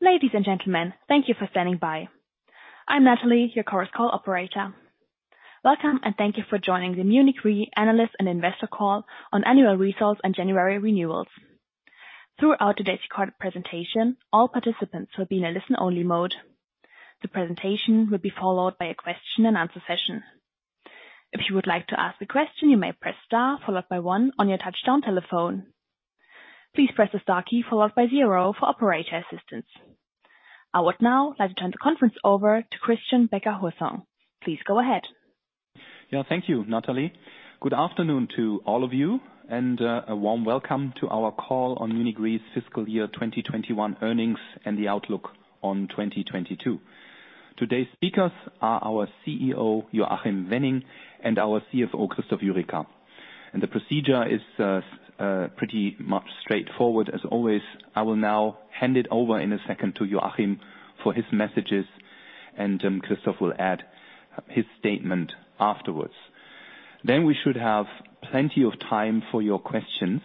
Ladies and gentlemen, thank you for standing by. I'm Natalie, your Chorus Call operator. Welcome, and thank you for joining the Munich Re Analyst and Investor Call on annual results and January renewals. Throughout today's recorded presentation, all participants will be in a listen-only mode. The presentation will be followed by a question-and-answer session. If you would like to ask a question, you may press star followed by one on your touch-tone telephone. Please press the star key followed by zero for operator assistance. I would now like to turn the conference over to Christian Becker-Hussong. Please go ahead. Yeah, thank you, Natalie. Good afternoon to all of you, and a warm welcome to our call on Munich Re's fiscal year 2021 earnings and the outlook on 2022. Today's speakers are our CEO, Joachim Wenning, and our CFO, Christoph Jurecka. The procedure is pretty much straightforward as always. I will now hand it over in a second to Joachim for his messages, and then Christoph will add his statement afterwards. We should have plenty of time for your questions.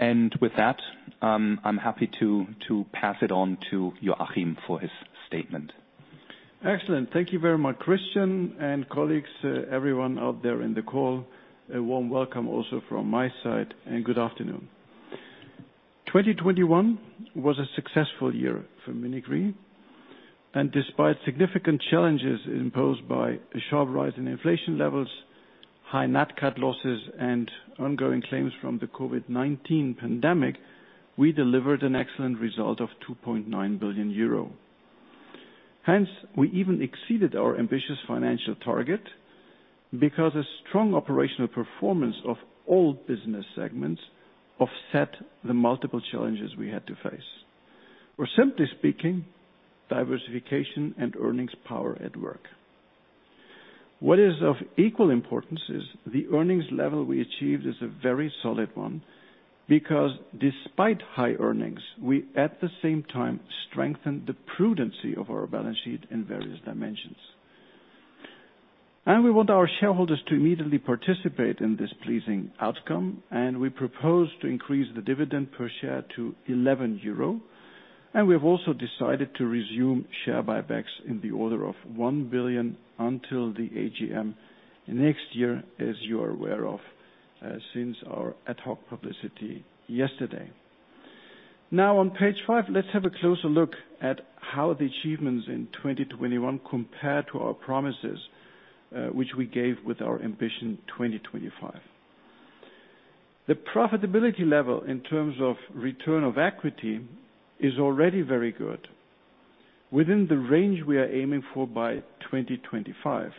With that, I'm happy to pass it on to Joachim for his statement. Excellent. Thank you very much, Christian and colleagues, everyone out there in the call. A warm welcome also from my side, and good afternoon. 2021 was a successful year for Munich Re. Despite significant challenges imposed by a sharp rise in inflation levels, high nat cat losses, and ongoing claims from the COVID-19 pandemic, we delivered an excellent result of 2.9 billion euro. Hence, we even exceeded our ambitious financial target because a strong operational performance of all business segments offset the multiple challenges we had to face. Or simply speaking, diversification and earnings power at work. What is of equal importance is the earnings level we achieved is a very solid one because despite high earnings, we, at the same time, strengthened the prudency of our balance sheet in various dimensions. We want our shareholders to immediately participate in this pleasing outcome, and we propose to increase the dividend per share to 11 euro. We have also decided to resume share buybacks in the order of 1 billion until the AGM next year, as you are aware of, since our ad hoc publicity yesterday. Now on page five, let's have a closer look at how the achievements in 2021 compare to our promises, which we gave with our Ambition 2025. The profitability level in terms of return on equity is already very good within the range we are aiming for by 2025.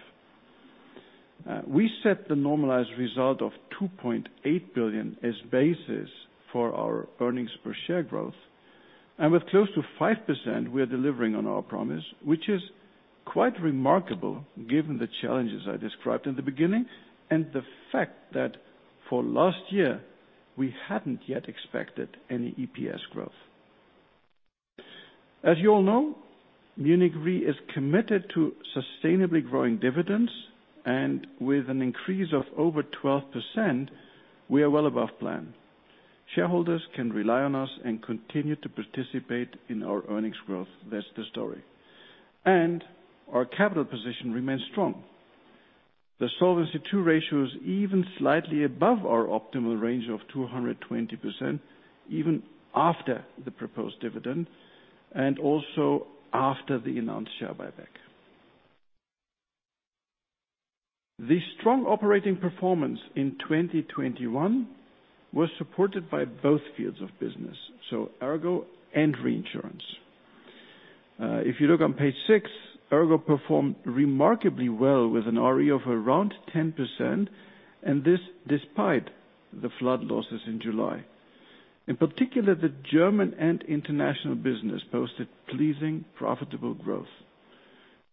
We set the normalized result of 2.8 billion as basis for our earnings per share growth. With close to 5%, we are delivering on our promise, which is quite remarkable given the challenges I described in the beginning and the fact that for last year, we hadn't yet expected any EPS growth. As you all know, Munich Re is committed to sustainably growing dividends, and with an increase of over 12%, we are well above plan. Shareholders can rely on us and continue to participate in our earnings growth. That's the story. Our capital position remains strong. The Solvency II ratio is even slightly above our optimal range of 220%, even after the proposed dividend, and also after the announced share buyback. The strong operating performance in 2021 was supported by both fields of business, so ERGO and reinsurance. If you look on page six, ERGO performed remarkably well with an RE of around 10%, and this despite the flood losses in July. In particular, the German and international business posted pleasing, profitable growth.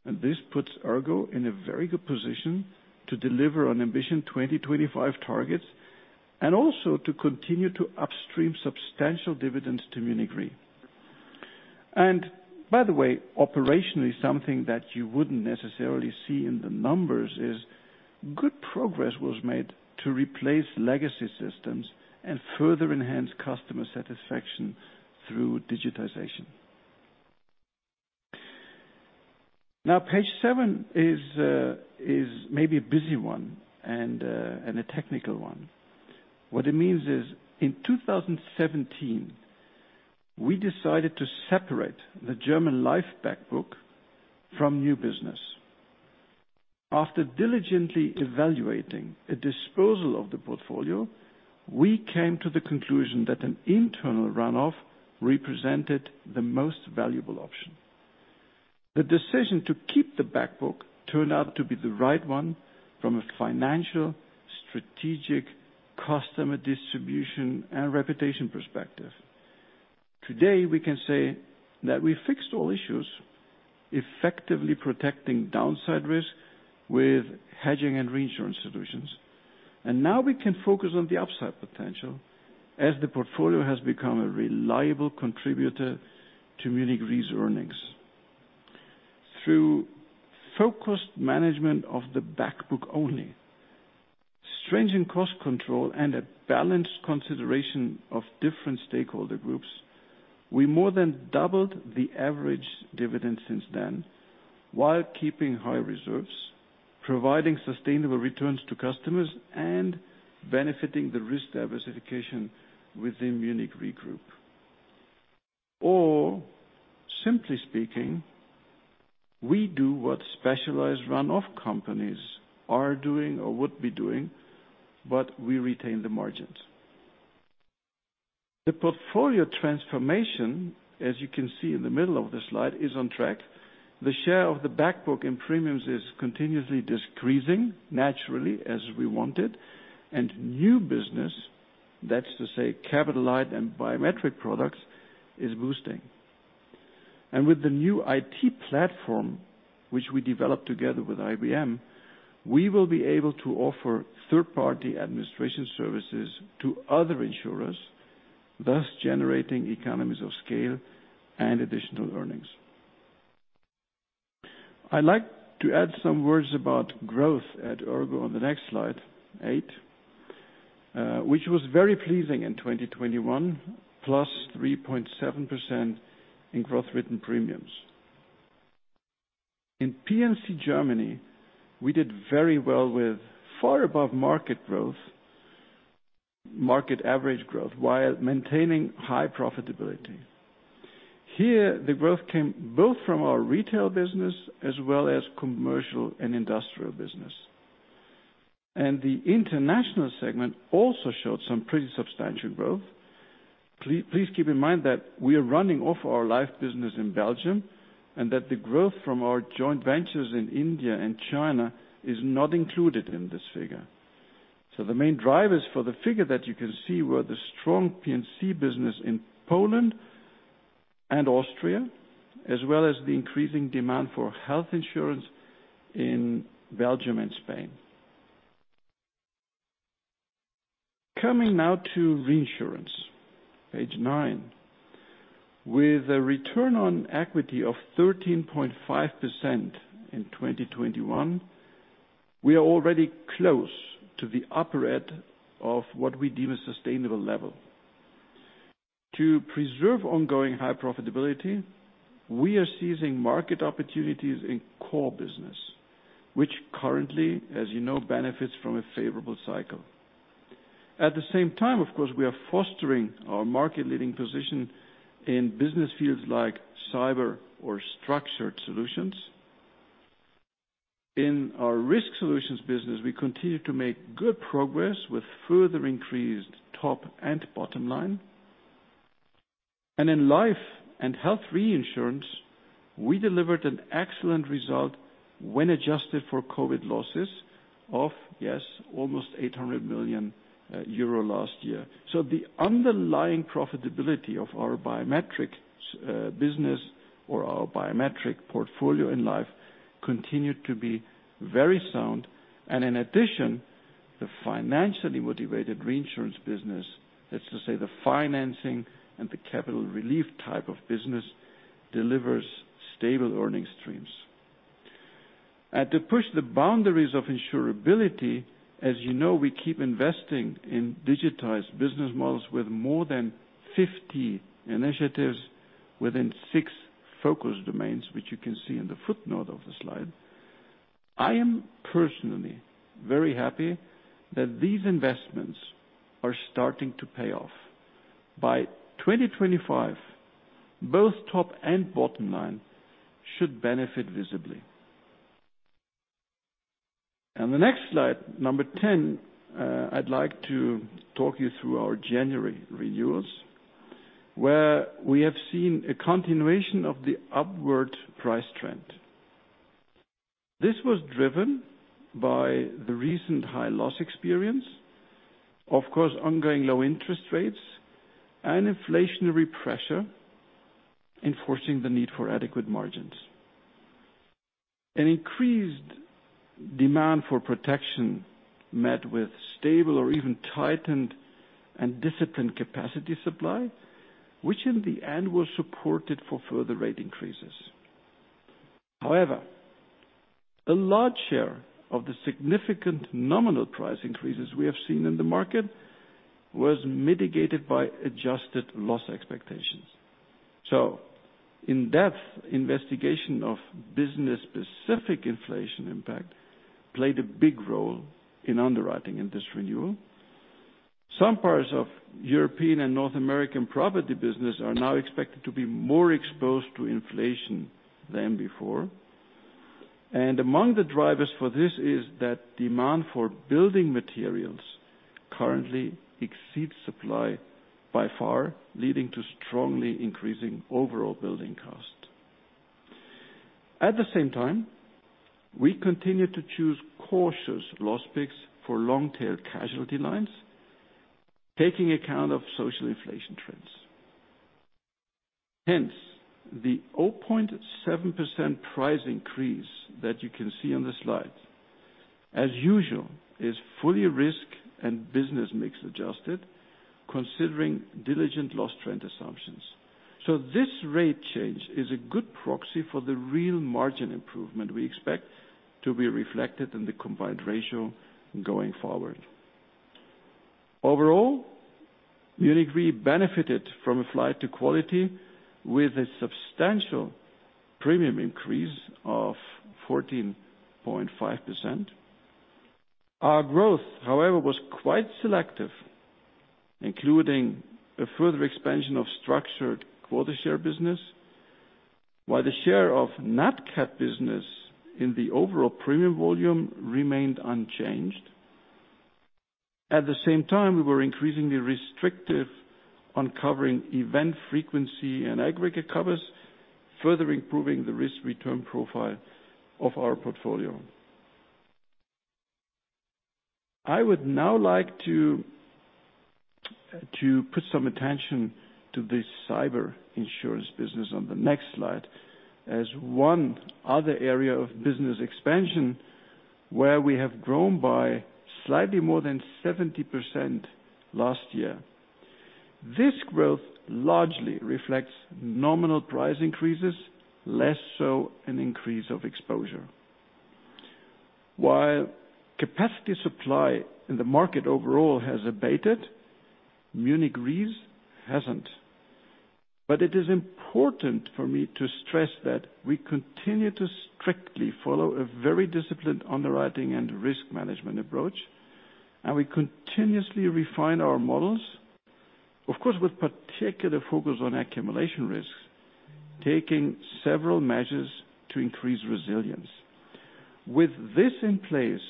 This puts ERGO in a very good position to deliver on Ambition 2025 targets and also to continue to upstream substantial dividends to Munich Re. By the way, operationally, something that you wouldn't necessarily see in the numbers is good progress was made to replace legacy systems and further enhance customer satisfaction through digitization. Now, page seven is maybe a busy one and a technical one. What it means is in 2017, we decided to separate the German life back book from new business. After diligently evaluating a disposal of the portfolio, we came to the conclusion that an internal run-off represented the most valuable option. The decision to keep the back book turned out to be the right one from a financial, strategic, customer distribution, and reputation perspective. Today, we can say that we fixed all issues, effectively protecting downside risk with hedging and reinsurance solutions. Now we can focus on the upside potential as the portfolio has become a reliable contributor to Munich Re's earnings. Through focused management of the back book only, stringent cost control and a balanced consideration of different stakeholder groups, we more than doubled the average dividend since then, while keeping high reserves, providing sustainable returns to customers and benefiting the risk diversification within Munich Re Group. Simply speaking, we do what specialized run-off companies are doing or would be doing, but we retain the margins. The portfolio transformation, as you can see in the middle of the slide, is on track. The share of the back book in premiums is continuously decreasing naturally, as we wanted. New business, that's to say, capital light and biometric products, is boosting. With the new IT platform, which we developed together with IBM, we will be able to offer third-party administration services to other insurers, thus generating economies of scale and additional earnings. I'd like to add some words about growth at ERGO on the next slide, eight, which was very pleasing in 2021, +3.7% in gross written premiums. In P&C Germany, we did very well with far above market average growth, while maintaining high profitability. Here, the growth came both from our retail business as well as commercial and industrial business. The international segment also showed some pretty substantial growth. Please keep in mind that we are running off our life business in Belgium, and that the growth from our joint ventures in India and China is not included in this figure. The main drivers for the figure that you can see were the strong P&C business in Poland and Austria, as well as the increasing demand for health insurance in Belgium and Spain. Coming now to reinsurance, page nine. With a return on equity of 13.5% in 2021, we are already close to the upper end of what we deem a sustainable level. To preserve ongoing high profitability, we are seizing market opportunities in core business, which currently, as you know, benefits from a favorable cycle. At the same time, of course, we are fostering our market-leading position in business fields like cyber or structured solutions. In our Risk Solutions business, we continue to make good progress with further increased top and bottom line. In life and health reinsurance, we delivered an excellent result when adjusted for COVID losses of almost 800 million euro last year. The underlying profitability of our biometrics business or our biometric portfolio in life continued to be very sound. In addition, the financially motivated reinsurance business, let's just say the financing and the capital relief type of business, delivers stable earning streams. To push the boundaries of insurability, as you know, we keep investing in digitized business models with more than 50 initiatives within six focus domains, which you can see in the footnote of the slide. I am personally very happy that these investments are starting to pay off. By 2025, both top and bottom line should benefit visibly. On the next slide, number 10, I'd like to talk you through our January renewals, where we have seen a continuation of the upward price trend. This was driven by the recent high loss experience, of course, ongoing low interest rates and inflationary pressure enforcing the need for adequate margins. An increased demand for protection met with stable or even tightened and disciplined capacity supply, which in the end, was supported for further rate increases. However, a large share of the significant nominal price increases we have seen in the market was mitigated by adjusted loss expectations. In-depth investigation of business-specific inflation impact played a big role in underwriting in this renewal. Some parts of European and North American property business are now expected to be more exposed to inflation than before. Among the drivers for this is that demand for building materials currently exceeds supply by far, leading to strongly increasing overall building cost. At the same time, we continue to choose cautious loss picks for long-tail casualty lines, taking account of social inflation trends. Hence, the 0.7% price increase that you can see on the slide. As usual, is fully risk and business mix adjusted considering diligent loss trend assumptions. This rate change is a good proxy for the real margin improvement we expect to be reflected in the combined ratio going forward. Overall, Munich Re benefited from a flight to quality with a substantial premium increase of 14.5%. Our growth, however, was quite selective, including a further expansion of structured quota share business, while the share of net cat business in the overall premium volume remained unchanged. At the same time, we were increasingly restrictive on covering event frequency and aggregate covers, further improving the risk return profile of our portfolio. I would now like to put some attention to this cyber insurance business on the next slide as one other area of business expansion where we have grown by slightly more than 70% last year. This growth largely reflects nominal price increases, less so an increase of exposure. While capacity supply in the market overall has abated, Munich Re's hasn't. It is important for me to stress that we continue to strictly follow a very disciplined underwriting and risk management approach, and we continuously refine our models, of course, with particular focus on accumulation risks, taking several measures to increase resilience. With this in place,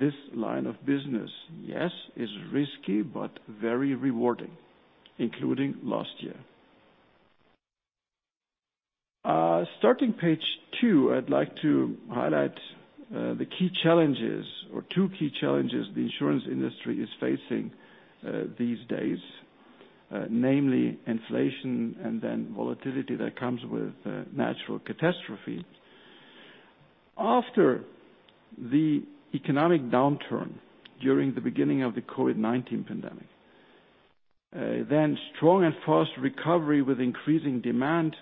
this line of business, yes, is risky but very rewarding, including last year. Starting page two, I'd like to highlight the two key challenges the insurance industry is facing these days, namely inflation and then volatility that comes with natural catastrophe. After the economic downturn during the beginning of the COVID-19 pandemic, then strong and fast recovery with increasing demand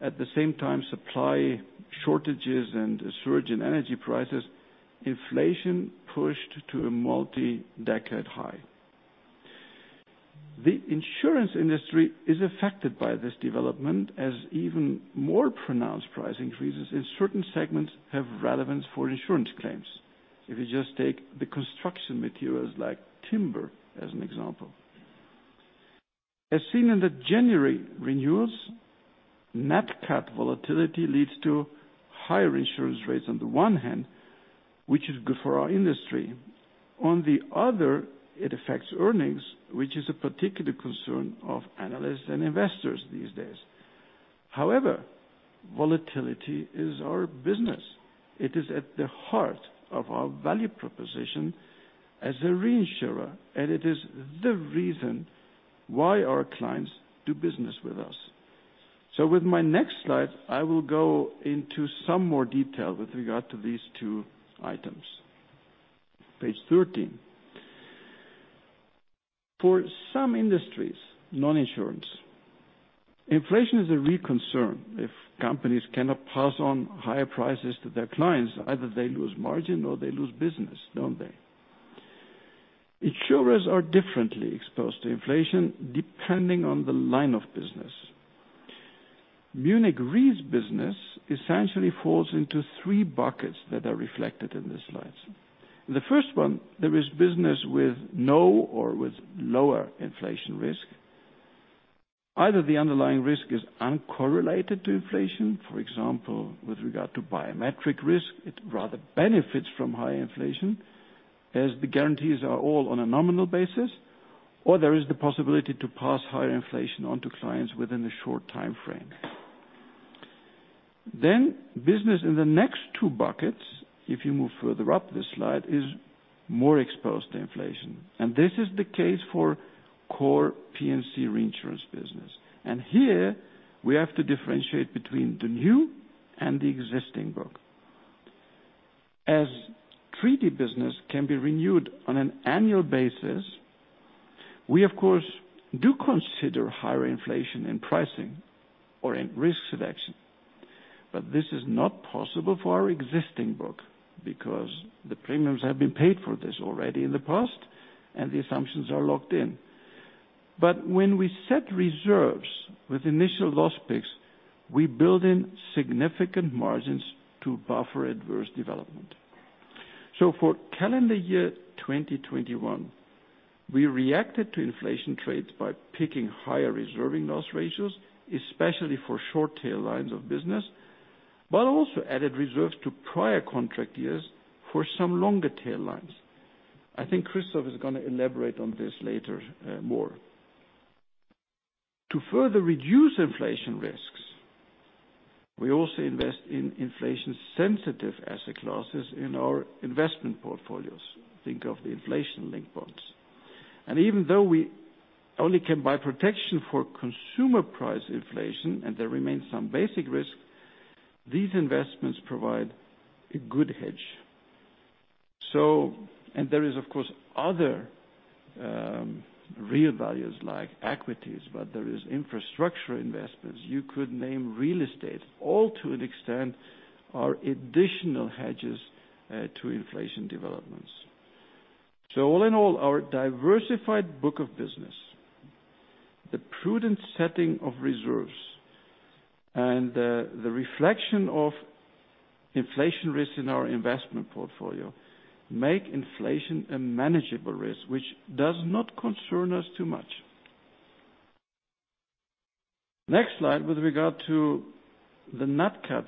at the same time, supply shortages and a surge in energy prices, inflation pushed to a multi-decade high. The insurance industry is affected by this development as even more pronounced price increases in certain segments have relevance for insurance claims. If you just take the construction materials like timber as an example. As seen in the January renewals, nat cat volatility leads to higher insurance rates on the one hand, which is good for our industry. On the other, it affects earnings, which is a particular concern of analysts and investors these days. However, volatility is our business. It is at the heart of our value proposition as a reinsurer, and it is the reason why our clients do business with us. With my next slide, I will go into some more detail with regard to these two items. Page 13. For some industries, non-insurance, inflation is a real concern. If companies cannot pass on higher prices to their clients, either they lose margin or they lose business, don't they? Insurers are differently exposed to inflation depending on the line of business. Munich Re's business essentially falls into three buckets that are reflected in these slides. The first one, there is business with no or with lower inflation risk. Either the underlying risk is uncorrelated to inflation, for example, with regard to biometric risk, it rather benefits from high inflation as the guarantees are all on a nominal basis, or there is the possibility to pass higher inflation on to clients within a short time frame. Business in the next two buckets, if you move further up this slide, is more exposed to inflation. This is the case for core P&C reinsurance business. Here we have to differentiate between the new and the existing book. As treaty business can be renewed on an annual basis, we of course do consider higher inflation in pricing or in risk selection. This is not possible for our existing book because the premiums have been paid for this already in the past and the assumptions are locked in. When we set reserves with initial loss picks, we build in significant margins to buffer adverse development. For calendar year 2021, we reacted to inflation trades by picking higher reserving loss ratios, especially for short tail lines of business, but also added reserves to prior contract years for some longer tail lines. I think Christoph is gonna elaborate on this later, more. To further reduce inflation risks, we also invest in inflation sensitive asset classes in our investment portfolios. Think of the inflation-linked bonds. Even though we only can buy protection for consumer price inflation and there remains some basic risk, these investments provide a good hedge. There is, of course, other real values like equities, but there is infrastructure investments. You could name real estate. All to an extent are additional hedges to inflation developments. All in all, our diversified book of business, the prudent setting of reserves and the reflection of inflation risk in our investment portfolio make inflation a manageable risk, which does not concern us too much. Next slide with regard to the nat cat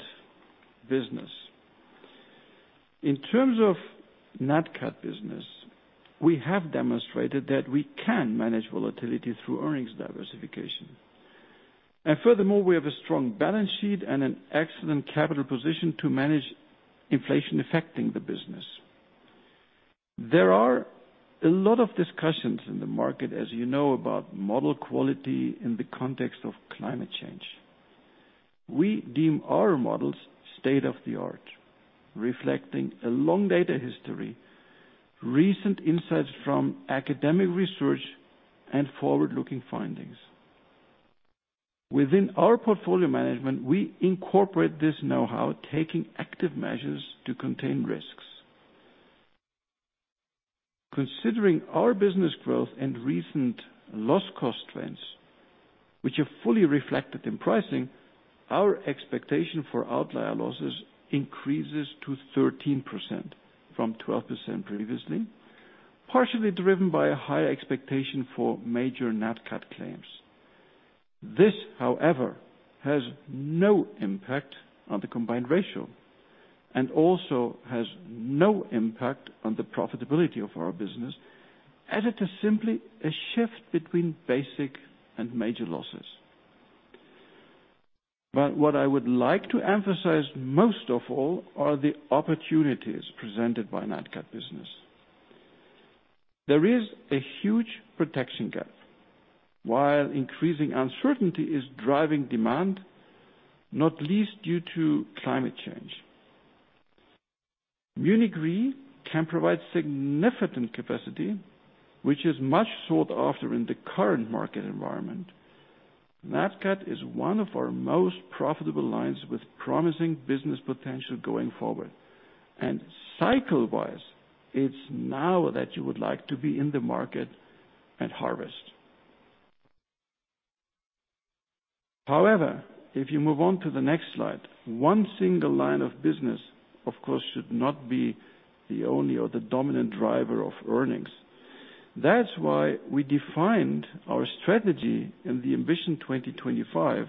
business. In terms of nat cat business, we have demonstrated that we can manage volatility through earnings diversification. Furthermore, we have a strong balance sheet and an excellent capital position to manage inflation affecting the business. There are a lot of discussions in the market, as you know, about model quality in the context of climate change. We deem our models state-of-the-art, reflecting a long data history, recent insights from academic research and forward-looking findings. Within our portfolio management, we incorporate this know-how, taking active measures to contain risks. Considering our business growth and recent loss cost trends, which are fully reflected in pricing, our expectation for outlier losses increases to 13% from 12% previously, partially driven by a higher expectation for major nat cat claims. This, however, has no impact on the combined ratio and also has no impact on the profitability of our business, as it is simply a shift between basic and major losses. What I would like to emphasize most of all are the opportunities presented by nat cat business. There is a huge protection gap while increasing uncertainty is driving demand, not least due to climate change. Munich Re can provide significant capacity, which is much sought after in the current market environment. Nat cat is one of our most profitable lines with promising business potential going forward. Cycle-wise, it's now that you would like to be in the market at harvest. However, if you move on to the next slide, one single line of business, of course, should not be the only or the dominant driver of earnings. That's why we defined our strategy in the Ambition 2025,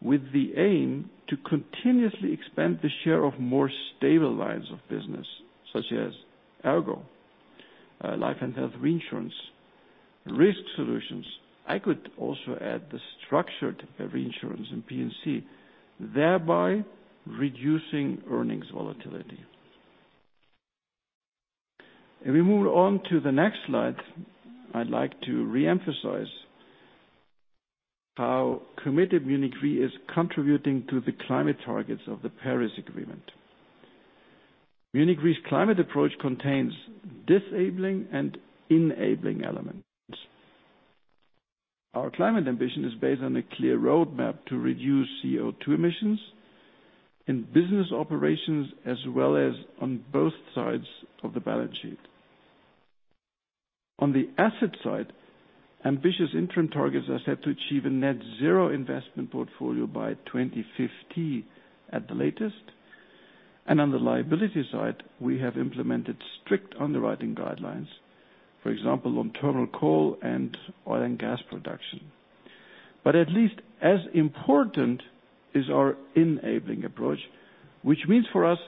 with the aim to continuously expand the share of more stable lines of business such as Ergo, life and health reinsurance, Risk Solutions. I could also add the structured reinsurance in P&C, thereby reducing earnings volatility. If we move on to the next slide, I'd like to reemphasize how committed Munich Re is contributing to the climate targets of the Paris Agreement. Munich Re's climate approach contains disabling and enabling elements. Our climate ambition is based on a clear roadmap to reduce CO₂ emissions in business operations, as well as on both sides of the balance sheet. On the asset side, ambitious interim targets are set to achieve a net zero investment portfolio by 2050 at the latest. On the liability side, we have implemented strict underwriting guidelines, for example, on thermal coal and oil and gas production. At least as important is our enabling approach, which means for us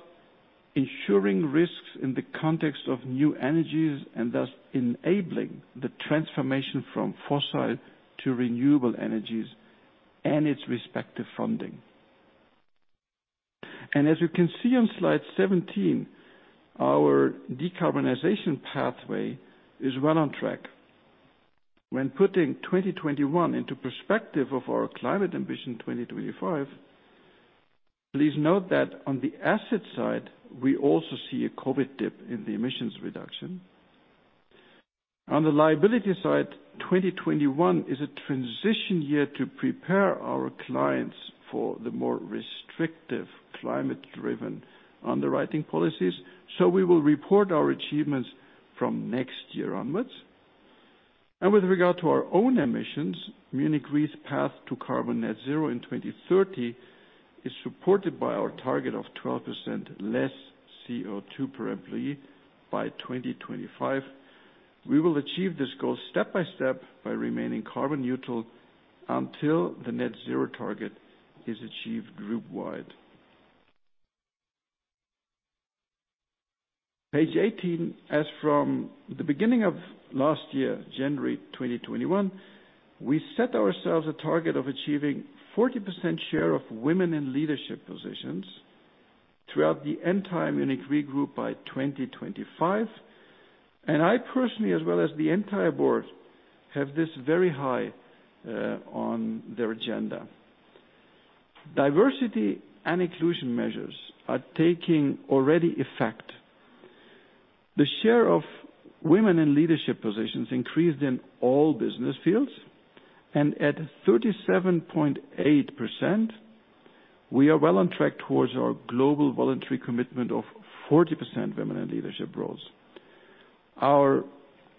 ensuring risks in the context of new energies and thus enabling the transformation from fossil to renewable energies and its respective funding. As you can see on slide 17, our decarbonization pathway is well on track. When putting 2021 into perspective of our climate ambition, 2025, please note that on the asset side, we also see a COVID dip in the emissions reduction. On the liability side, 2021 is a transition year to prepare our clients for the more restrictive climate-driven underwriting policies. We will report our achievements from next year onwards. With regard to our own emissions, Munich Re's path to carbon net zero in 2030 is supported by our target of 12% less CO₂ per employee by 2025. We will achieve this goal step by step by remaining carbon neutral until the net zero target is achieved groupwide. Page 18, as from the beginning of last year, January 2021, we set ourselves a target of achieving 40% share of women in leadership positions for the Munich Re Group by 2025. I personally, as well as the entire board, have this very high on their agenda. Diversity and inclusion measures are already taking effect. The share of women in leadership positions increased in all business fields. At 37.8%, we are well on track towards our global voluntary commitment of 40% women in leadership roles. Our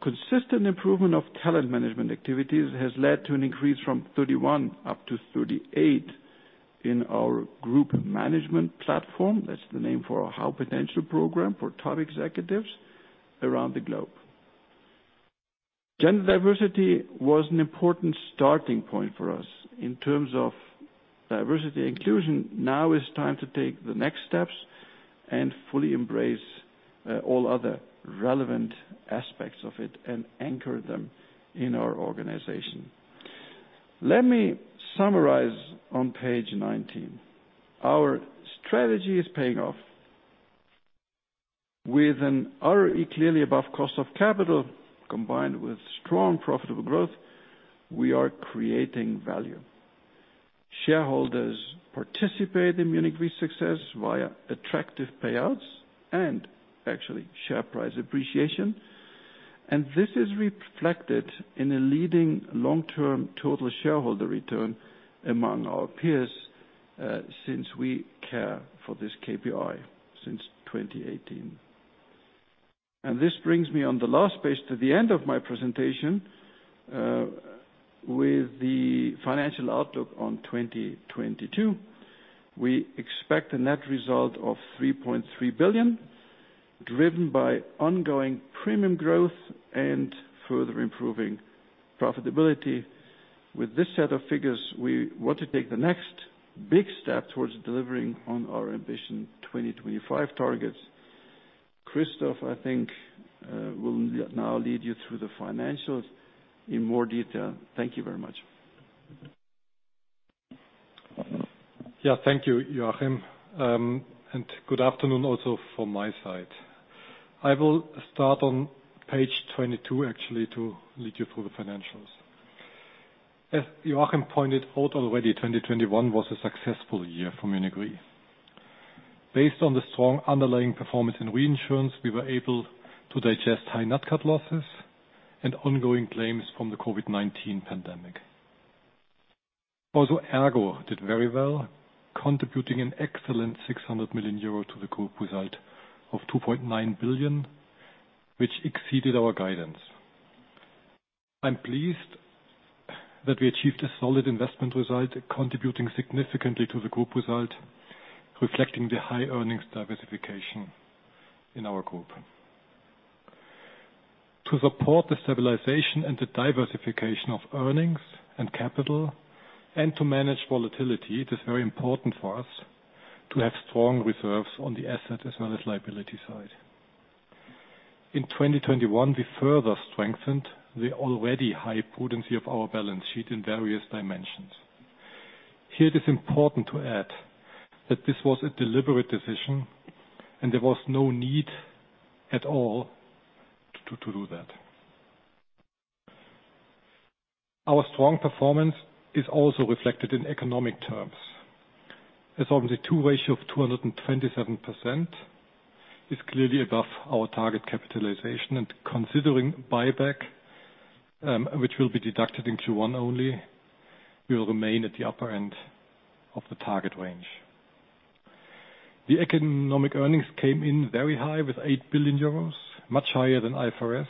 consistent improvement of talent management activities has led to an increase from 31 up to 38 in our group management platform. That's the name for our high potential program for top executives around the globe. Gender diversity was an important starting point for us in terms of diversity and inclusion. Now it's time to take the next steps and fully embrace all other relevant aspects of it and anchor them in our organization. Let me summarize on page 19. Our strategy is paying off. With an ROE clearly above cost of capital, combined with strong profitable growth, we are creating value. Shareholders participate in Munich Re success via attractive payouts and actually share price appreciation. This is reflected in a leading long-term total shareholder return among our peers, since we care for this KPI since 2018. This brings me on the last page to the end of my presentation, with the financial outlook on 2022. We expect a net result of 3.3 billion, driven by ongoing premium growth and further improving profitability. With this set of figures, we want to take the next big step towards delivering on our Ambition 2025 targets. Christoph, I think, will now lead you through the financials in more detail. Thank you very much. Yeah, thank you, Joachim. And good afternoon also from my side. I will start on page 22, actually, to lead you through the financials. As Joachim pointed out already, 2021 was a successful year for Munich Re. Based on the strong underlying performance in reinsurance, we were able to digest high nat cat losses and ongoing claims from the COVID-19 pandemic. Also, ERGO did very well, contributing an excellent 600 million euro to the group result of 2.9 billion, which exceeded our guidance. I'm pleased that we achieved a solid investment result, contributing significantly to the group result, reflecting the high earnings diversification in our group. To support the stabilization and the diversification of earnings and capital, and to manage volatility, it is very important for us to have strong reserves on the asset as well as liability side. In 2021, we further strengthened the already high potency of our balance sheet in various dimensions. Here it is important to add that this was a deliberate decision, and there was no need at all to do that. Our strong performance is also reflected in economic terms. As of the Solvency II ratio of 227% is clearly above our target capitalization. Considering buyback, which will be deducted in Q1 only, we will remain at the upper end of the target range. The economic earnings came in very high with 8 billion euros, much higher than IFRS,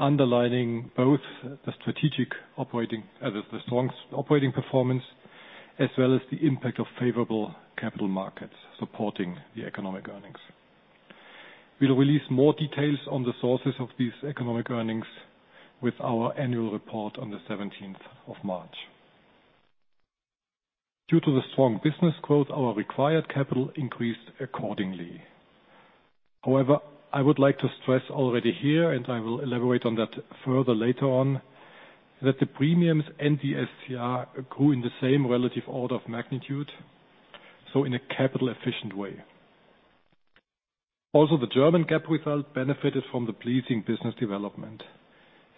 underlining both the strategic operating, the strong operating performance, as well as the impact of favorable capital markets supporting the economic earnings. We'll release more details on the sources of these economic earnings with our annual report on March 17.th Due to the strong business growth, our required capital increased accordingly. However, I would like to stress already here, and I will elaborate on that further later on, that the premiums and the SCR grew in the same relative order of magnitude, so in a capital-efficient way. Also, the German GAAP result benefited from the pleasing business development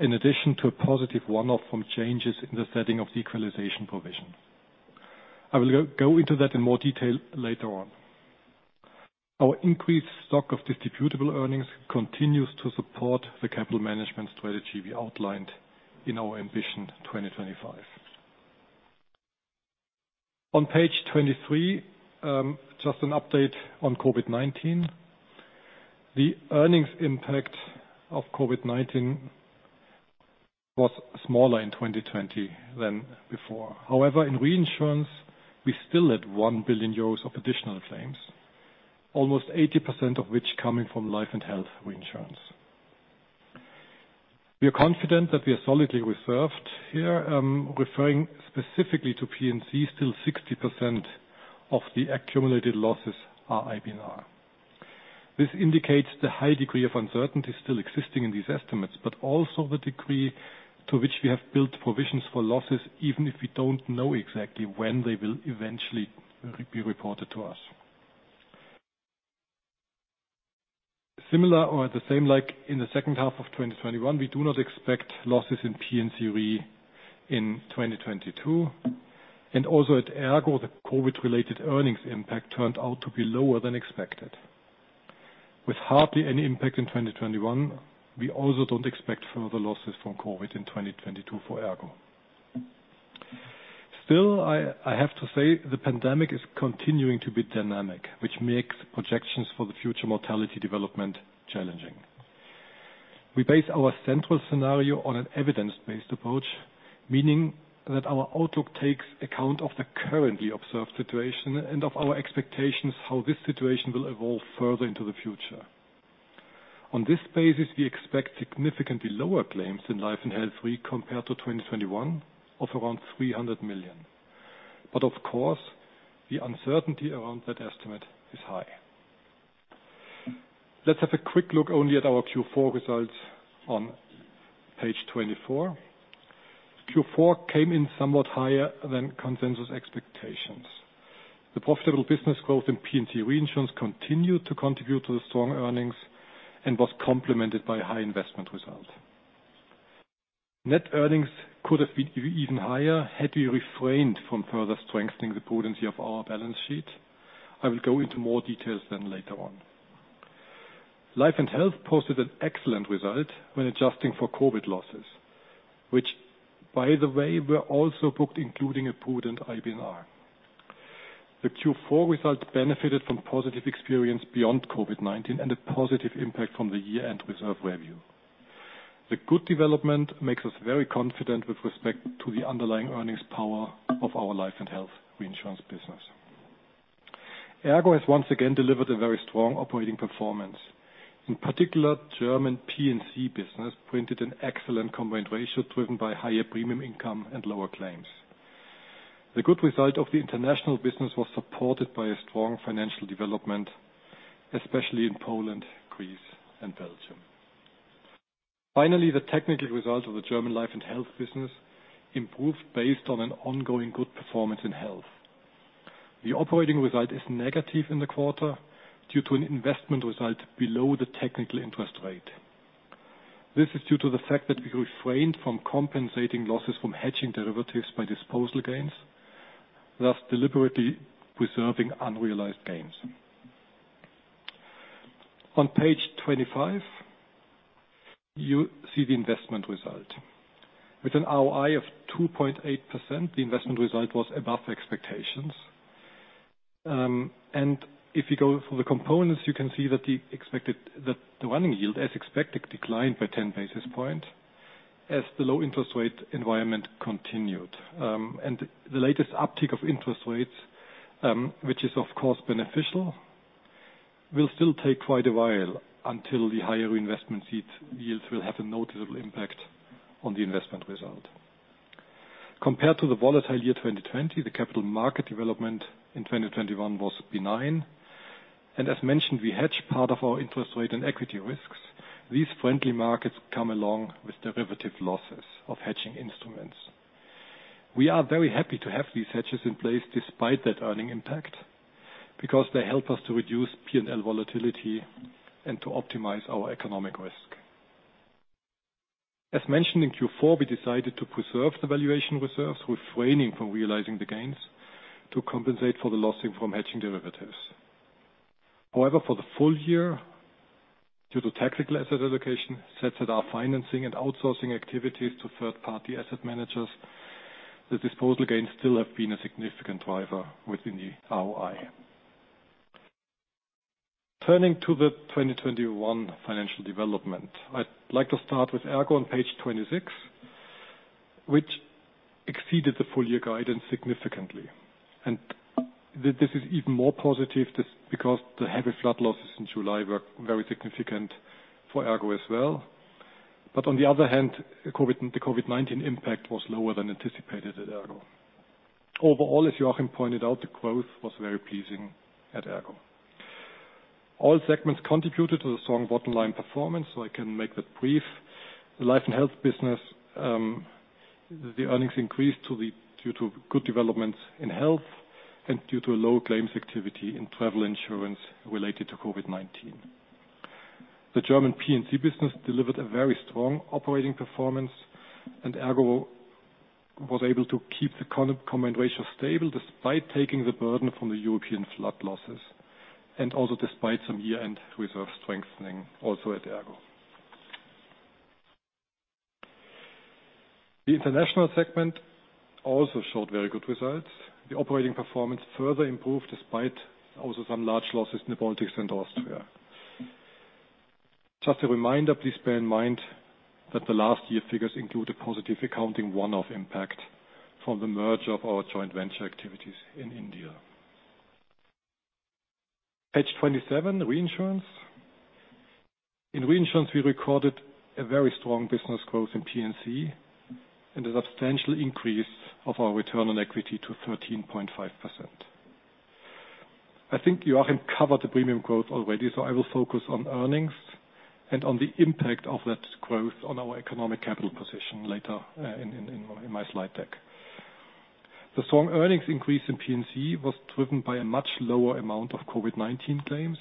in addition to a positive one-off from changes in the setting of equalization provision. I will go into that in more detail later on. Our increased stock of distributable earnings continues to support the capital management strategy we outlined in our Ambition 2025. On page 23, just an update on COVID-19. The earnings impact of COVID-19 was smaller in 2020 than before. However, in reinsurance, we still had 1 billion euros of additional claims, almost 80% of which coming from life and health reinsurance. We are confident that we are solidly reserved here. Referring specifically to P&C, still 60% of the accumulated losses are IBNR. This indicates the high degree of uncertainty still existing in these estimates, but also the degree to which we have built provisions for losses, even if we don't know exactly when they will eventually re-be reported to us. Similar or the same like in the H2 of 2021, we do not expect losses in P&C Re in 2022. Also at ERGO, the COVID-related earnings impact turned out to be lower than expected. With hardly any impact in 2021, we also don't expect further losses from COVID in 2022 for ERGO. Still, I have to say the pandemic is continuing to be dynamic, which makes projections for the future mortality development challenging. We base our central scenario on an evidence-based approach, meaning that our outlook takes account of the currently observed situation and of our expectations how this situation will evolve further into the future. On this basis, we expect significantly lower claims in life and health re compared to 2021 of around 300 million. Of course, the uncertainty around that estimate is high. Let's have a quick look only at our Q4 results on page 24. Q4 came in somewhat higher than consensus expectations. The profitable business growth in P&C reinsurance continued to contribute to the strong earnings and was complemented by high investment result. Net earnings could have been even higher had we refrained from further strengthening the potency of our balance sheet. I will go into more details then later on. Life & Health posted an excellent result when adjusting for COVID losses, which, by the way, were also booked, including a prudent IBNR. The Q4 results benefited from positive experience beyond COVID-19 and a positive impact from the year-end reserve review. The good development makes us very confident with respect to the underlying earnings power of our life and health reinsurance business. ERGO has once again delivered a very strong operating performance. In particular, German P&C business printed an excellent combined ratio driven by higher premium income and lower claims. The good result of the international business was supported by a strong financial development, especially in Poland, Greece, and Belgium. Finally, the technical results of the German life and health business improved based on an ongoing good performance in health. The operating result is negative in the quarter due to an investment result below the technical interest rate. This is due to the fact that we refrained from compensating losses from hedging derivatives by disposal gains, thus deliberately preserving unrealized gains. On page 25, you see the investment result. With an ROI of 2.8%, the investment result was above expectations. And if you go through the components, you can see that the running yield, as expected, declined by 10 basis points as the low interest rate environment continued. The latest uptick of interest rates, which is of course beneficial, will still take quite a while until the higher investment seat yields will have a noticeable impact on the investment result. Compared to the volatile year 2020, the capital market development in 2021 was benign. As mentioned, we hedge part of our interest rate and equity risks. These friendly markets come along with derivative losses of hedging instruments. We are very happy to have these hedges in place despite that earning impact because they help us to reduce P&L volatility and to optimize our economic risk. As mentioned in Q4, we decided to preserve the valuation reserves, refraining from realizing the gains to compensate for the loss from hedging derivatives. However, for the full year, due to tactical asset allocation as well as financing and outsourcing activities to third-party asset managers, the disposal gains still have been a significant driver within the ROI. Turning to the 2021 financial development, I'd like to start with ERGO on page 26, which exceeded the full year guidance significantly. This is even more positive just because the heavy flood losses in July were very significant for ERGO as well. On the other hand, COVID, the COVID-19 impact was lower than anticipated at ERGO. Overall, as Joachim pointed out, the growth was very pleasing at ERGO. All segments contributed to the strong bottom line performance, so I can make that brief. The life and health business, the earnings increased due to good developments in health and due to a low claims activity in travel insurance related to COVID-19. The German P&C business delivered a very strong operating performance, and ERGO was able to keep the combined ratio stable despite taking the burden from the European flood losses and also despite some year-end reserve strengthening also at ERGO. The international segment also showed very good results. The operating performance further improved despite also some large losses in the Baltics and Austria. Just a reminder, please bear in mind that the last year figures include a positive accounting one-off impact from the merger of our joint venture activities in India. Page 27, reinsurance. In reinsurance, we recorded a very strong business growth in P&C and a substantial increase of our return on equity to 13.5%. I think Joachim covered the premium growth already, so I will focus on earnings and on the impact of that growth on our economic capital position later in my slide deck. The strong earnings increase in P&C was driven by a much lower amount of COVID-19 claims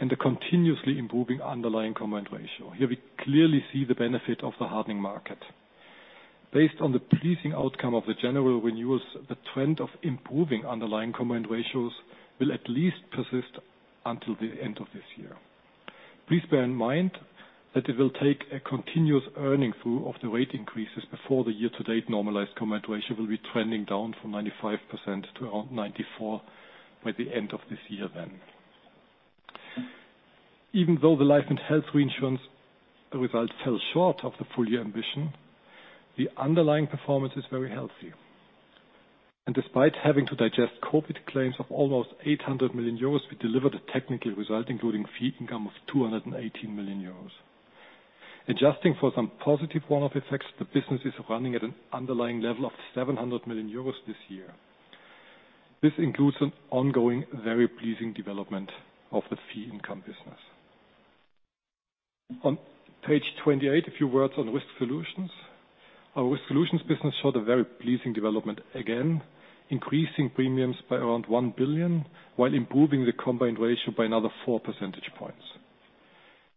and a continuously improving underlying combined ratio. Here we clearly see the benefit of the hardening market. Based on the pleasing outcome of the general renewals, the trend of improving underlying combined ratios will at least persist until the end of this year. Please bear in mind that it will take a continuous earning through of the rate increases before the year-to-date normalized combined ratio will be trending down from 95% to around 94% by the end of this year then. Even though the life and health reinsurance results fell short of the full year ambition, the underlying performance is very healthy. Despite having to digest COVID claims of almost 800 million euros, we delivered a technical result including fee income of 218 million euros. Adjusting for some positive one-off effects, the business is running at an underlying level of 700 million euros this year. This includes an ongoing, very pleasing development of the fee income business. On page 28, a few words on Risk Solutions. Our Risk Solutions business showed a very pleasing development, again, increasing premiums by around 1 billion, while improving the combined ratio by another 4 percentage points.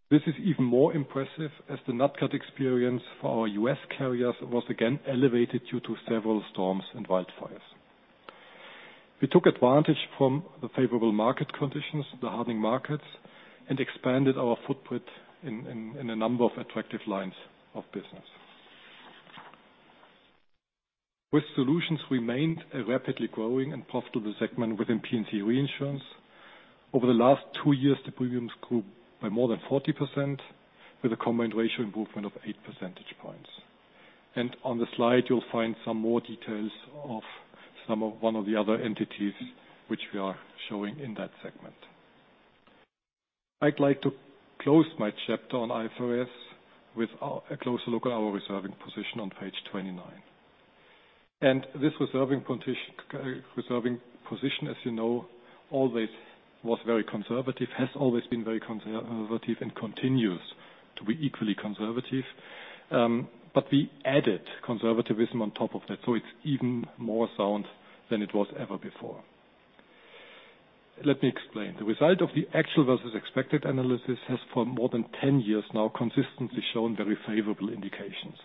This is even more impressive as the nat cat experience for our U.S. carriers was again elevated due to several storms and wildfires. We took advantage from the favorable market conditions, the hardening markets, and expanded our footprint in a number of attractive lines of business. Risk Solutions remained a rapidly growing and profitable segment within P&C reinsurance. Over the last two years, the premiums grew by more than 40% with a combined ratio improvement of 8 percentage points. On the slide, you'll find some more details of some of one of the other entities which we are showing in that segment. I'd like to close my chapter on IFRS with a closer look at our reserving position on page 29. This reserving position, as you know, always was very conservative, has always been very conservative, and continues to be equally conservative. We added conservatism on top of that, so it's even more sound than it was ever before. Let me explain. The result of the actual versus expected analysis has for more than 10 years now consistently shown very favorable indications.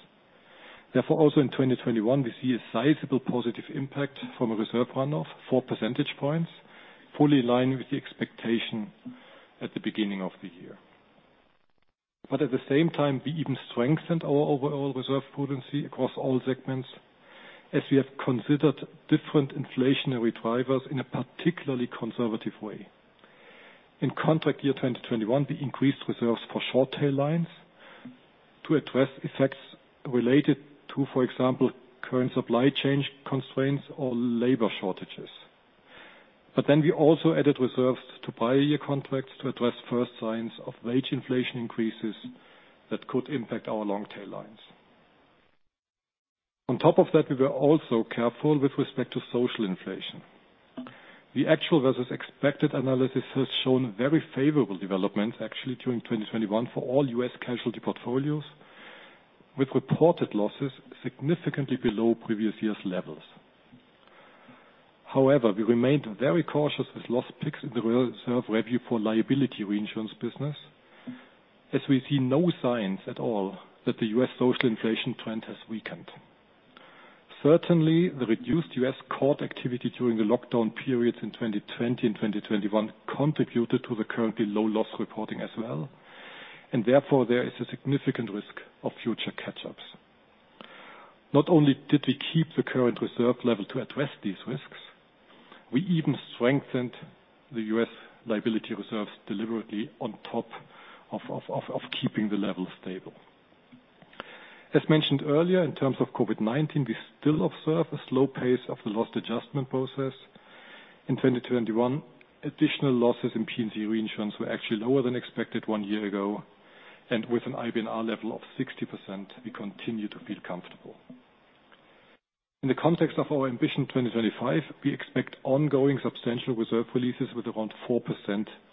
Therefore, also in 2021, we see a sizable positive impact from a reserve run-off, 4 percentage points, fully in line with the expectation at the beginning of the year. At the same time, we even strengthened our overall reserve position across all segments as we have considered different inflationary drivers in a particularly conservative way. In contract year 2021, we increased reserves for short tail lines to address effects related to, for example, current supply chain constraints or labor shortages. We also added reserves to prior year contracts to address first signs of wage inflation increases that could impact our long tail lines. On top of that, we were also careful with respect to social inflation. The actual versus expected analysis has shown very favorable developments actually during 2021 for all U.S. casualty portfolios, with reported losses significantly below previous years' levels. However, we remained very cautious with loss picks in the reserve review for liability reinsurance business, as we see no signs at all that the U.S. social inflation trend has weakened. Certainly, the reduced U.S. court activity during the lockdown periods in 2020 and 2021 contributed to the currently low loss reporting as well, and therefore there is a significant risk of future catch-ups. Not only did we keep the current reserve level to address these risks, we even strengthened the U.S. liability reserves deliberately on top of keeping the level stable. As mentioned earlier, in terms of COVID-19, we still observe a slow pace of the loss adjustment process. In 2021, additional losses in P&C reinsurance were actually lower than expected one year ago, and with an IBNR level of 60%, we continue to feel comfortable. In the context of our Ambition 2025, we expect ongoing substantial reserve releases with around 4%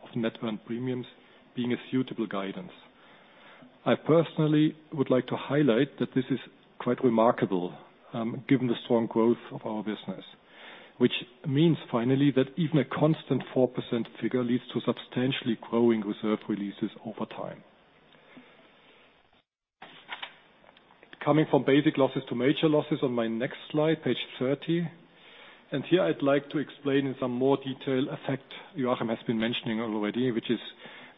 of net earned premiums being a suitable guidance. I personally would like to highlight that this is quite remarkable, given the strong growth of our business, which means finally that even a constant 4% figure leads to substantially growing reserve releases over time. Coming from basic losses to major losses on my next slide, page 30. Here I'd like to explain in some more detail effect Joachim has been mentioning already, which is,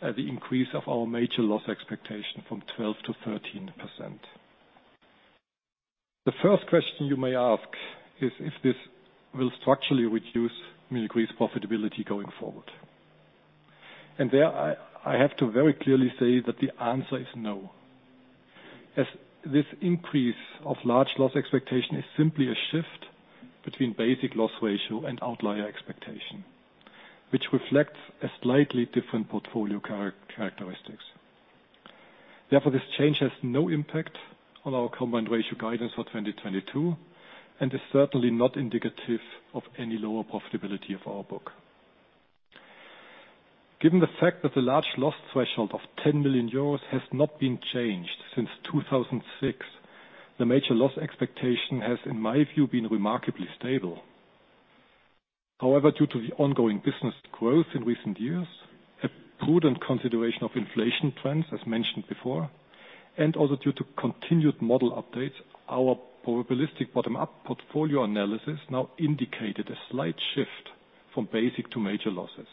the increase of our major loss expectation from 12%-13%. The first question you may ask is if this will structurally reduce Munich Re's profitability going forward. There I have to very clearly say that the answer is no. As this increase of large loss expectation is simply a shift between basic loss ratio and outlier expectation, which reflects a slightly different portfolio characteristics. Therefore, this change has no impact on our combined ratio guidance for 2022, and is certainly not indicative of any lower profitability of our book. Given the fact that the large loss threshold of 10 million euros has not been changed since 2006, the major loss expectation has, in my view, been remarkably stable. However, due to the ongoing business growth in recent years, a prudent consideration of inflation trends, as mentioned before, and also due to continued model updates, our probabilistic bottom-up portfolio analysis now indicated a slight shift from basic to major losses.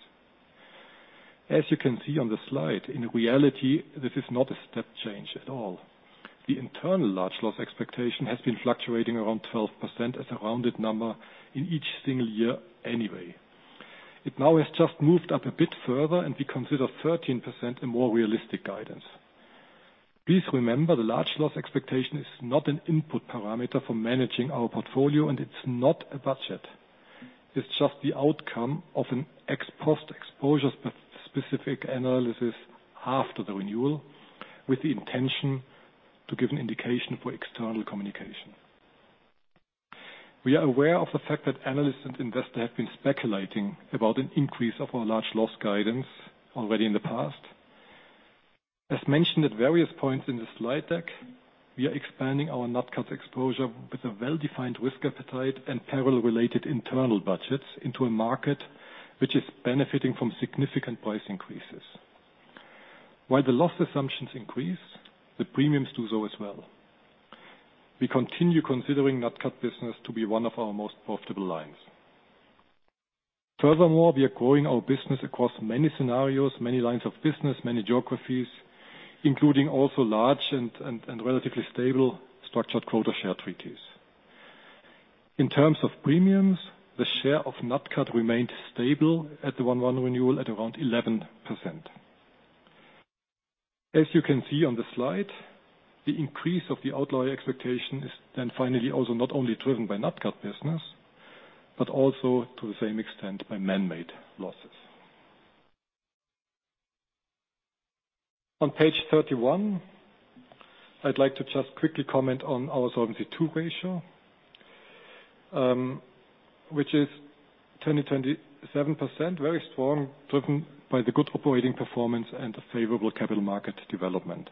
As you can see on the slide, in reality, this is not a step change at all. The internal large loss expectation has been fluctuating around 12% as a rounded number in each single year anyway. It now has just moved up a bit further, and we consider 13% a more realistic guidance. Please remember, the large loss expectation is not an input parameter for managing our portfolio, and it's not a budget. It's just the outcome of an ex-post exposure-specific analysis after the renewal, with the intention to give an indication for external communication. We are aware of the fact that analysts and investors have been speculating about an increase of our large loss guidance already in the past. As mentioned at various points in the slide deck, we are expanding our nat cat exposure with a well-defined risk appetite and parallel related internal budgets into a market which is benefiting from significant price increases. While the loss assumptions increase, the premiums do so as well. We continue considering nat cat business to be one of our most profitable lines. Furthermore, we are growing our business across many scenarios, many lines of business, many geographies, including also large and relatively stable structured quota share treaties. In terms of premiums, the share of nat cat remained stable at the 1/1 renewal at around 11%. As you can see on the slide, the increase of the outlier expectation is then finally also not only driven by nat cat business, but also to the same extent by man-made losses. On page 31, I'd like to just quickly comment on our Solvency II ratio, which is 27%, very strong, driven by the good operating performance and the favorable capital market development.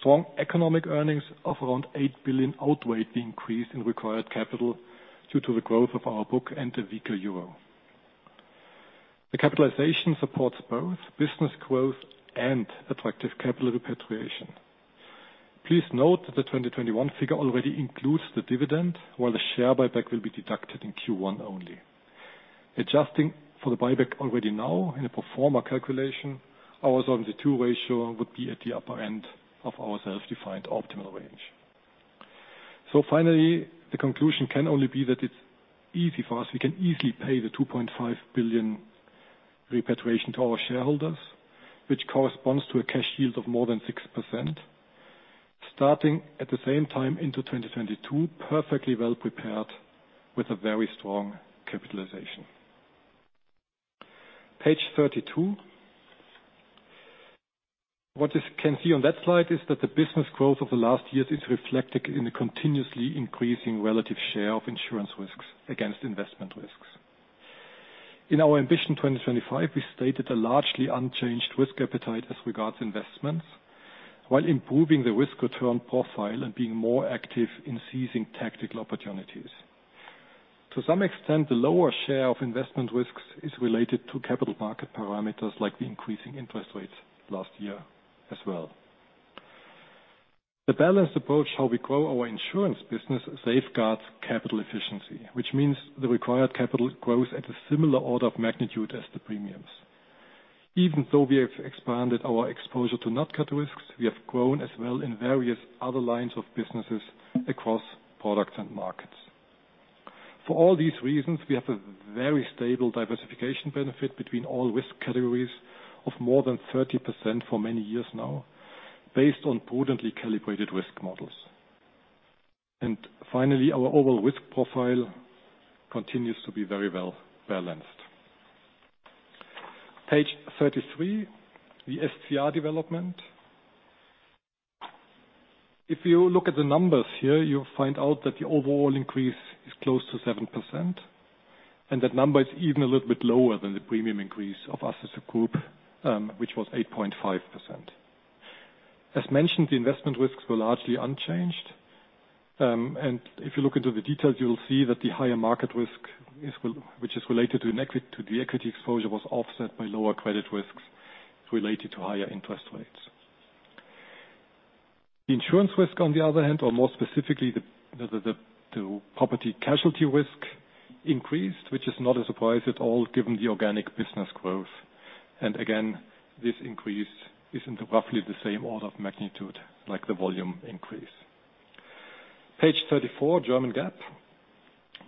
Strong economic earnings of around 8 billion outweighed the increase in required capital due to the growth of our book and the weaker euro. The capitalization supports both business growth and attractive capital repatriation. Please note that the 2021 figure already includes the dividend, while the share buyback will be deducted in Q1 only. Adjusting for the buyback already now in a pro forma calculation, our Solvency II ratio would be at the upper end of our self-defined optimal range. Finally, the conclusion can only be that it's easy for us. We can easily pay the 2.5 billion repatriation to our shareholders, which corresponds to a cash yield of more than 6%, starting at the same time into 2022, perfectly well prepared with a very strong capitalization. Page 32. What you can see on that slide is that the business growth of the last years is reflected in the continuously increasing relative share of insurance risks against investment risks. In our Ambition 2025, we stated a largely unchanged risk appetite as regards investments while improving the risk return profile and being more active in seizing tactical opportunities. To some extent, the lower share of investment risks is related to capital market parameters like the increasing interest rates last year as well. The balanced approach how we grow our insurance business safeguards capital efficiency, which means the required capital grows at a similar order of magnitude as the premiums. Even though we have expanded our exposure to nat cat risks, we have grown as well in various other lines of businesses across products and markets. For all these reasons, we have a very stable diversification benefit between all risk categories of more than 30% for many years now, based on prudently calibrated risk models. Finally, our overall risk profile continues to be very well balanced. Page 33, the SCR development. If you look at the numbers here, you'll find out that the overall increase is close to 7%, and that number is even a little bit lower than the premium increase of us as a group, which was 8.5%. As mentioned, the investment risks were largely unchanged. If you look into the details, you will see that the higher market risk, which is related to the equity exposure, was offset by lower credit risks related to higher interest rates. The insurance risk, on the other hand, or more specifically the property casualty risk increased, which is not a surprise at all given the organic business growth. Again, this increase is in roughly the same order of magnitude like the volume increase. Page 34, German GAAP.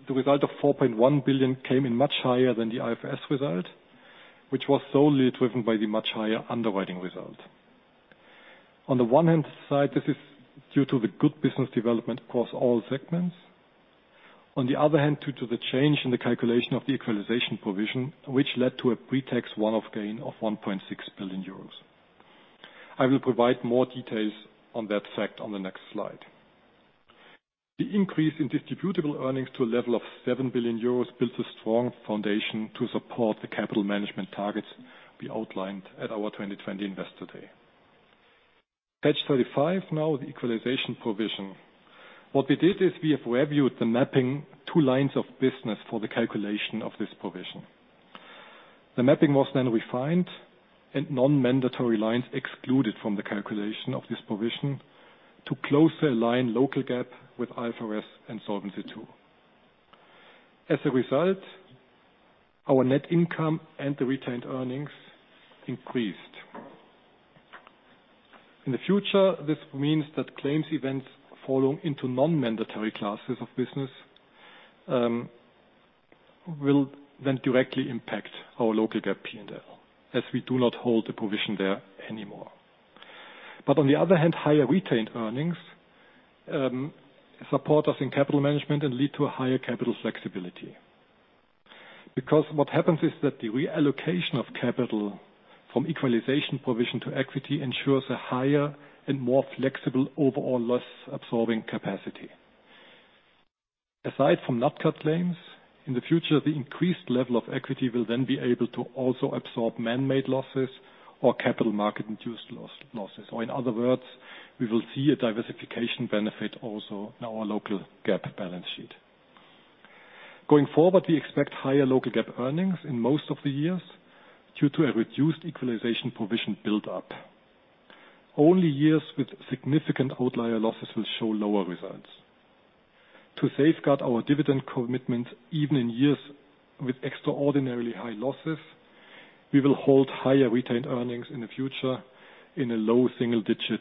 The result of 4.1 billion came in much higher than the IFRS result, which was solely driven by the much higher underwriting result. On the one hand side, this is due to the good business development across all segments. On the other hand, due to the change in the calculation of the equalization provision, which led to a pretax one-off gain of 1.6 billion euros. I will provide more details on that fact on the next slide. The increase in distributable earnings to a level of 7 billion euros builds a strong foundation to support the capital management targets we outlined at our 2020 Investor Day. Page 35, now the equalization provision. What we did is we have reviewed the mapping to lines of business for the calculation of this provision. The mapping was then refined and non-mandatory lines excluded from the calculation of this provision to closely align local GAAP with IFRS and Solvency II. As a result, our net income and the retained earnings increased. In the future, this means that claims events falling into non-mandatory classes of business will then directly impact our local GAAP P&L, as we do not hold the provision there anymore. On the other hand, higher retained earnings support us in capital management and lead to a higher capital flexibility. What happens is that the reallocation of capital from equalization provision to equity ensures a higher and more flexible overall loss-absorbing capacity. Aside from nat cat claims, in the future, the increased level of equity will then be able to also absorb man-made losses or capital market-induced losses. In other words, we will see a diversification benefit also in our local GAAP balance sheet. Going forward, we expect higher local GAAP earnings in most of the years due to a reduced equalization provision build up. Only years with significant outlier losses will show lower results. To safeguard our dividend commitment, even in years with extraordinarily high losses, we will hold higher retained earnings in the future in a low single-digit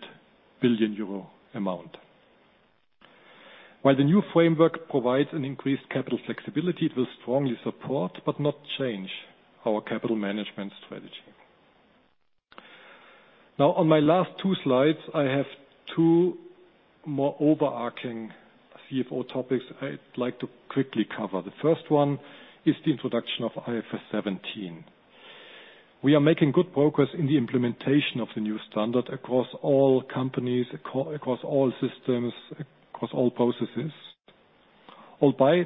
billion EUR amount. While the new framework provides an increased capital flexibility, it will strongly support but not change our capital management strategy. Now on my last two slides, I have two more overarching CFO topics I'd like to quickly cover. The first one is the introduction of IFRS 17. We are making good progress in the implementation of the new standard across all companies, across all systems, across all processes. Although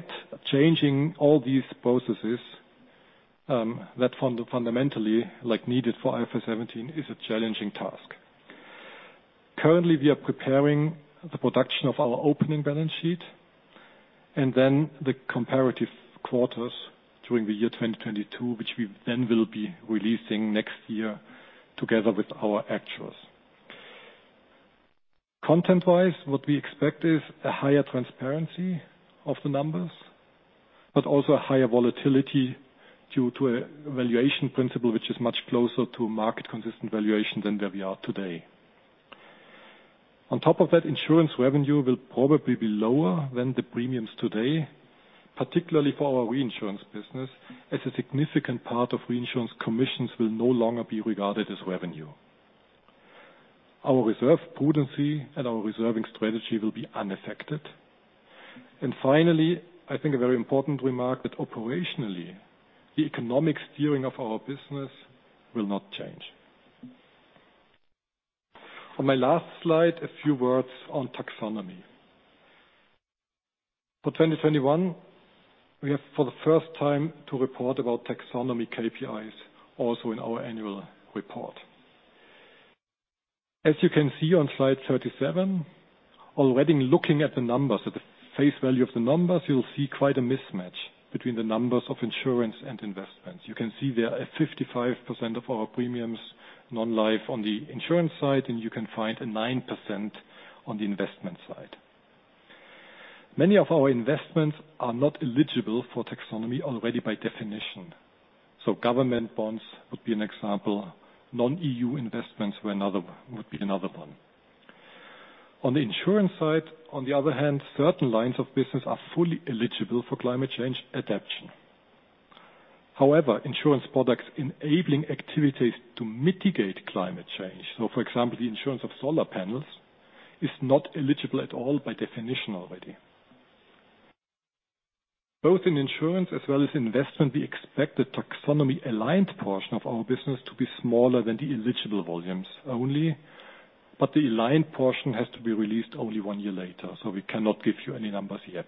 changing all these processes that are fundamentally needed for IFRS 17 is a challenging task. Currently, we are preparing the production of our opening balance sheet and then the comparative quarters during the year 2022, which we then will be releasing next year together with our actuaries. Content-wise, what we expect is a higher transparency of the numbers, but also a higher volatility due to a valuation principle which is much closer to market consistent valuation than where we are today. On top of that, insurance revenue will probably be lower than the premiums today, particularly for our reinsurance business, as a significant part of reinsurance commissions will no longer be regarded as revenue. Our reserve prudency and our reserving strategy will be unaffected. Finally, I think a very important remark that operationally, the economic steering of our business will not change. On my last slide, a few words on taxonomy. For 2021, we have for the first time to report about taxonomy KPIs also in our annual report. As you can see on slide 37, already looking at the numbers, at the face value of the numbers, you'll see quite a mismatch between the numbers of insurance and investments. You can see there are 55% of our premiums non-life on the insurance side, and you can find a 9% on the investment side. Many of our investments are not eligible for taxonomy already by definition. So government bonds would be an example. Non-EU investments were another one, would be another one. On the insurance side, on the other hand, certain lines of business are fully eligible for climate change adaptation. However, insurance products enabling activities to mitigate climate change, so for example, the insurance of solar panels, is not eligible at all by definition already. Both in insurance as well as investment, we expect the taxonomy aligned portion of our business to be smaller than the eligible volumes only. The aligned portion has to be released only one year later, so we cannot give you any numbers yet.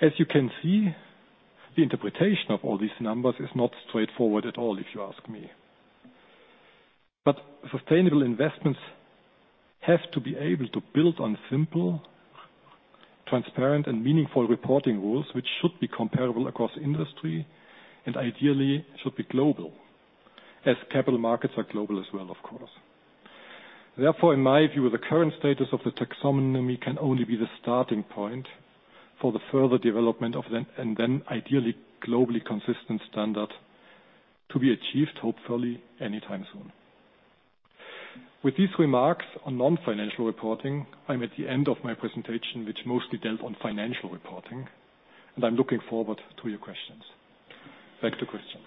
As you can see, the interpretation of all these numbers is not straightforward at all, if you ask me. Sustainable investments have to be able to build on simple, transparent, and meaningful reporting rules, which should be comparable across industry and ideally should be global, as capital markets are global as well, of course. Therefore, in my view, the current status of the taxonomy can only be the starting point for the further development of it, and then ideally globally consistent standard to be achieved hopefully anytime soon. With these remarks on non-financial reporting, I'm at the end of my presentation, which mostly dealt with financial reporting, and I'm looking forward to your questions. Back to Christian.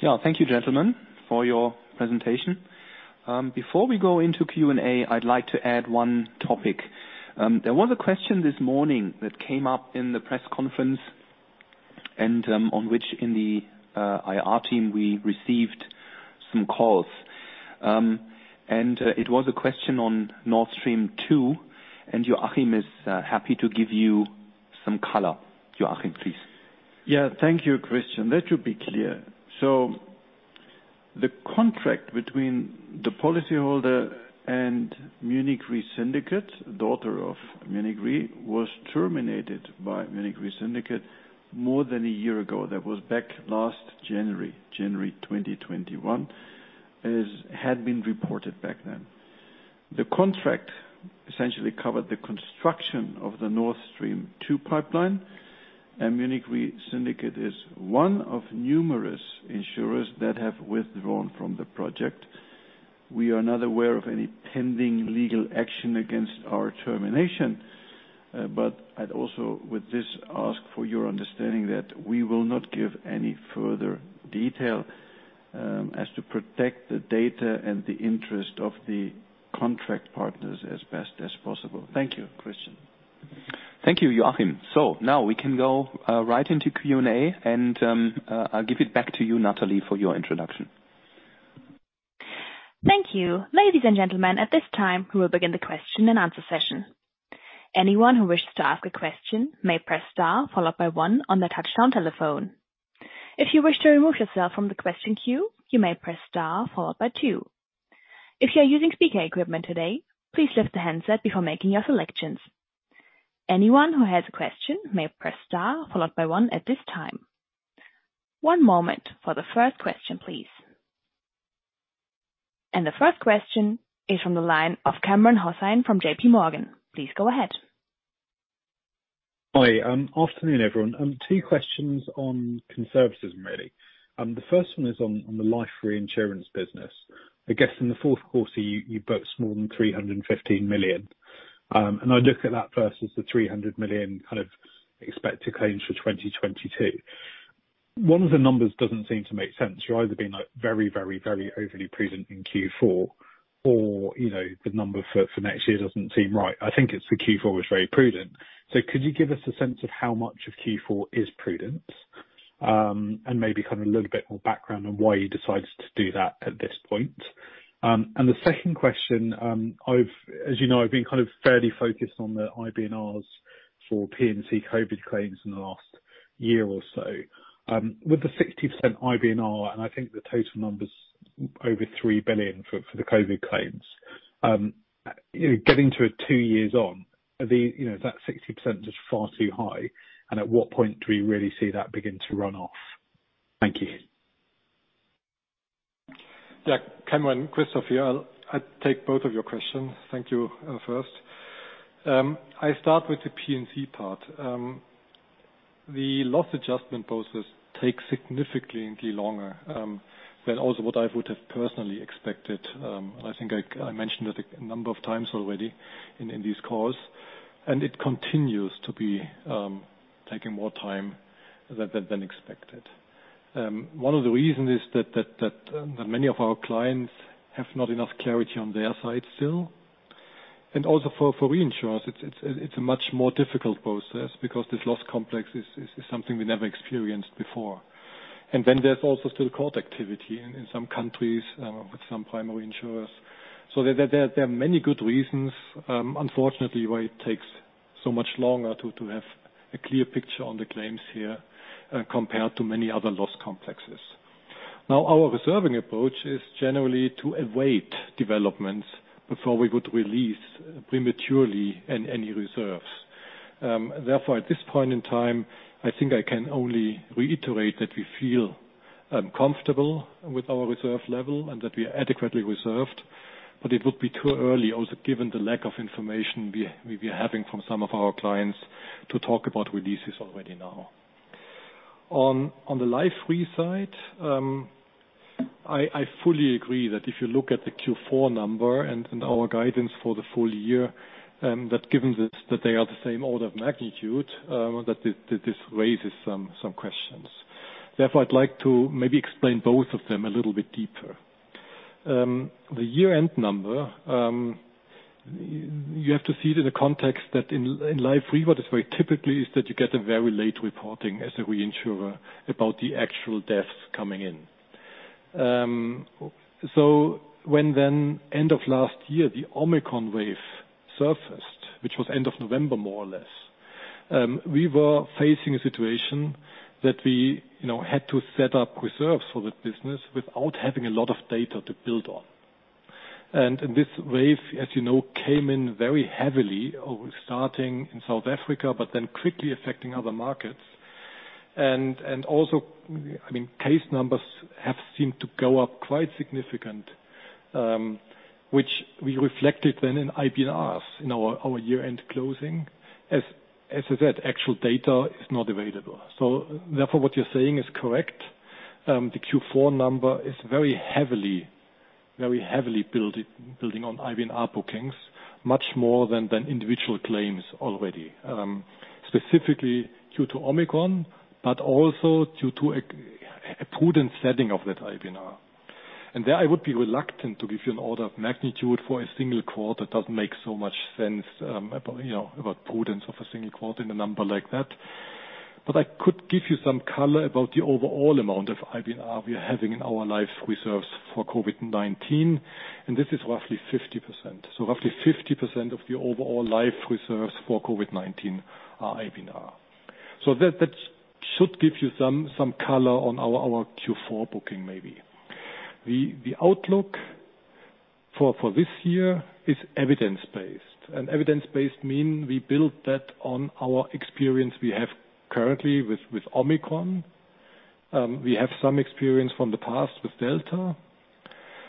Yeah. Thank you, gentlemen, for your presentation. Before we go into Q&A, I'd like to add one topic. There was a question this morning that came up in the press conference and, on which in the IR team we received some calls. It was a question on Nord Stream 2, and Joachim is happy to give you some color. Joachim, please. Yeah, thank you, Christian. That should be clear. The contract between the policyholder and Munich Re Syndicate, daughter of Munich Re, was terminated by Munich Re Syndicate more than a year ago. That was back last January 2021, as had been reported back then. The contract essentially covered the construction of the Nord Stream 2 pipeline. Munich Re Syndicate is one of numerous insurers that have withdrawn from the project. We are not aware of any pending legal action against our termination. But I'd also with this ask for your understanding that we will not give any further detail, as to protect the data and the interest of the contract partners as best as possible. Thank you, Christian. Thank you, Joachim. Now we can go right into Q&A. I'll give it back to you, Natalie, for your introduction. Thank you. Ladies and gentlemen, at this time, we will begin the question and answer session. Anyone who wishes to ask a question may press star followed by one on their touchtone telephone. If you wish to remove yourself from the question queue, you may press star followed by two. If you're using speaker equipment today, please lift the handset before making your selections. Anyone who has a question may press star followed by one at this time. One moment for the first question, please. The first question is from the line of Kamran Hossain from JPMorgan. Please go ahead. Hi. Afternoon, everyone. Two questions on conservatism, really. The first one is on the life reinsurance business. I guess in the fourth quarter, you booked more than 315 million. And I look at that versus the 300 million, kind of, expected claims for 2022. One of the numbers doesn't seem to make sense. You're either being, like, very overly prudent in Q4 or, you know, the number for next year doesn't seem right. I think it's the Q4 was very prudent. Could you give us a sense of how much of Q4 is prudence? And maybe kind of a little bit more background on why you decided to do that at this point. The second question, as you know, I've been kind of fairly focused on the IBNRs for P&C COVID claims in the last year or so. With the 60% IBNR, and I think the total number's over 3 billion for the COVID claims. You know, getting to two years on, is that 60% just far too high, and at what point do we really see that begin to run off? Thank you. Kamran, Christoph here. I take both of your questions. Thank you first. I start with the P&C part. The loss adjustment process takes significantly longer than also what I would have personally expected. I think I mentioned it a number of times already in these calls, and it continues to be taking more time than expected. One of the reasons is that many of our clients have not enough clarity on their side still. Also for reinsurers, it's a much more difficult process because this loss complex is something we never experienced before. Then there's also still court activity in some countries with some primary insurers. There are many good reasons, unfortunately, why it takes so much longer to have a clear picture on the claims here, compared to many other loss complexes. Now, our reserving approach is generally to await developments before we would release prematurely any reserves. Therefore, at this point in time, I think I can only reiterate that we feel comfortable with our reserve level and that we are adequately reserved, but it would be too early also, given the lack of information we're having from some of our clients, to talk about releases already now. On the life re side, I fully agree that if you look at the Q4 number and our guidance for the full year, that given this, they are the same order of magnitude, that this raises some questions. Therefore, I'd like to maybe explain both of them a little bit deeper. The year-end number, you have to see it in the context that in life, what is very typical is that you get a very late reporting as a reinsurer about the actual deaths coming in. So when the end of last year, the Omicron wave surfaced, which was end of November more or less, we were facing a situation that we, you know, had to set up reserves for that business without having a lot of data to build on. This wave, as you know, came in very heavily, starting in South Africa, but then quickly affecting other markets. I mean, case numbers have seemed to go up quite significantly, which we reflected then in IBNRs in our year-end closing. As I said, actual data is not available. Therefore what you're saying is correct. The Q4 number is very heavily built, building on IBNR bookings, much more than individual claims already. Specifically due to Omicron, but also due to a prudent setting of that IBNR. There, I would be reluctant to give you an order of magnitude for a single quote. That doesn't make so much sense, about, you know, about prudence of a single quote in a number like that. I could give you some color about the overall amount of IBNR we are having in our life reserves for COVID-19, and this is roughly 50%. Roughly 50% of the overall life reserves for COVID-19 are IBNR. That should give you some color on our Q4 booking maybe. The outlook for this year is evidence-based. Evidence-based mean we build that on our experience we have currently with Omicron. We have some experience from the past with delta.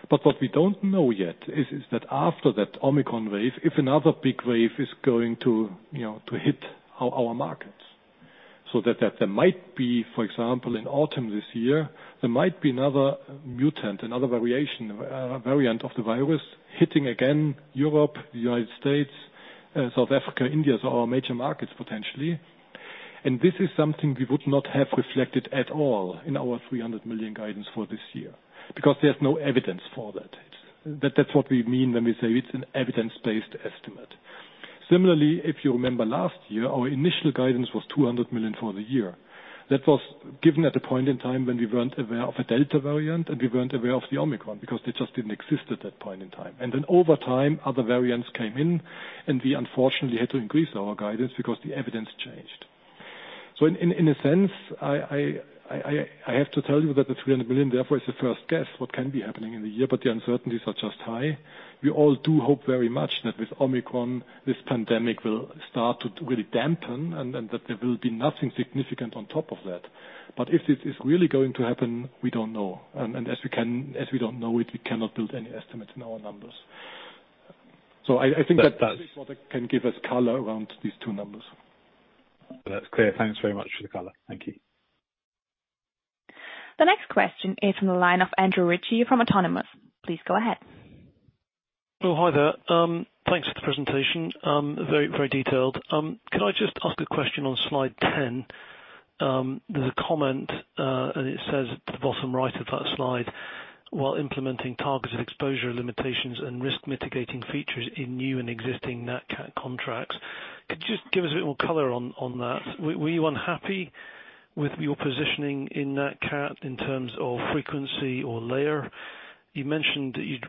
What we don't know yet is that after that Omicron wave, if another big wave is going to you know to hit our markets. That there might be, for example, in autumn this year, there might be another mutant, another variation, variant of the virus hitting again Europe, the United States, South Africa, India, so our major markets potentially. This is something we would not have reflected at all in our 300 million guidance for this year, because there's no evidence for that. That's what we mean when we say it's an evidence-based estimate. Similarly, if you remember last year, our initial guidance was 200 million for the year. That was given at a point in time when we weren't aware of a delta variant, and we weren't aware of the Omicron, because they just didn't exist at that point in time. Then over time, other variants came in, and we unfortunately had to increase our guidance because the evidence changed. In a sense, I have to tell you that the 300 million, therefore, is the first guess what can be happening in the year, but the uncertainties are just high. We all do hope very much that with Omicron, this pandemic will start to really dampen and that there will be nothing significant on top of that. If this is really going to happen, we don't know. As we don't know it, we cannot build any estimates in our numbers. I think that can give us color around these two numbers. That's clear. Thanks very much for the color. Thank you. The next question is from the line of Andrew Ritchie from Autonomous. Please go ahead. Oh, hi there. Thanks for the presentation. Very, very detailed. Can I just ask a question on slide 10? There's a comment, and it says at the bottom right of that slide, while implementing targeted exposure limitations and risk mitigating features in new and existing nat cat contracts. Could you just give us a bit more color on that? Were you unhappy with your positioning in nat cat in terms of frequency or layer? You mentioned that you'd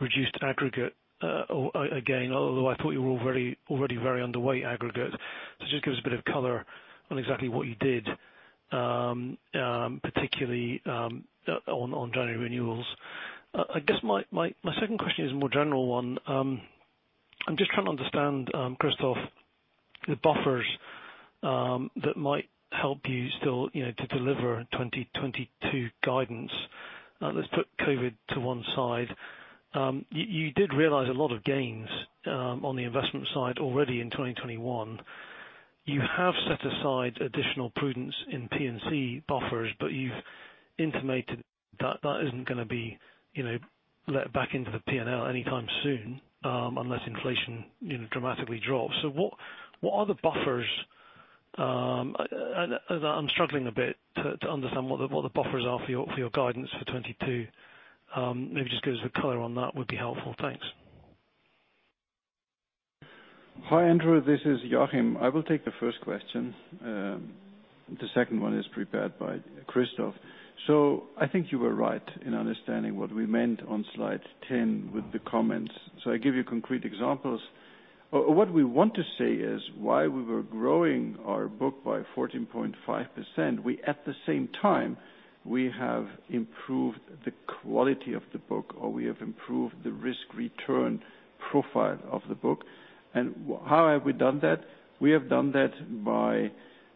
reduced aggregate, oh, again, although I thought you were already very underweight aggregate. Just give us a bit of color on exactly what you did, particularly on January renewals. I guess my second question is a more general one. I'm just trying to understand, Christoph, the buffers that might help you still, you know, to deliver 2022 guidance. Let's put COVID to one side. You did realize a lot of gains on the investment side already in 2021. You have set aside additional prudence in P&C buffers, but you've intimated that that isn't gonna be, you know, let back into the P&L anytime soon unless inflation, you know, dramatically drops. So what are the buffers? I'm struggling a bit to understand what the buffers are for your guidance for 2022. Maybe just give us a color on that would be helpful. Thanks. Hi, Andrew. This is Joachim. I will take the first question. The second one is prepared by Christoph. I think you were right in understanding what we meant on slide 10 with the comments. I give you concrete examples. What we want to say is while we were growing our book by 14.5%, we at the same time, we have improved the quality of the book, or we have improved the risk-return profile of the book. How have we done that? We have done that by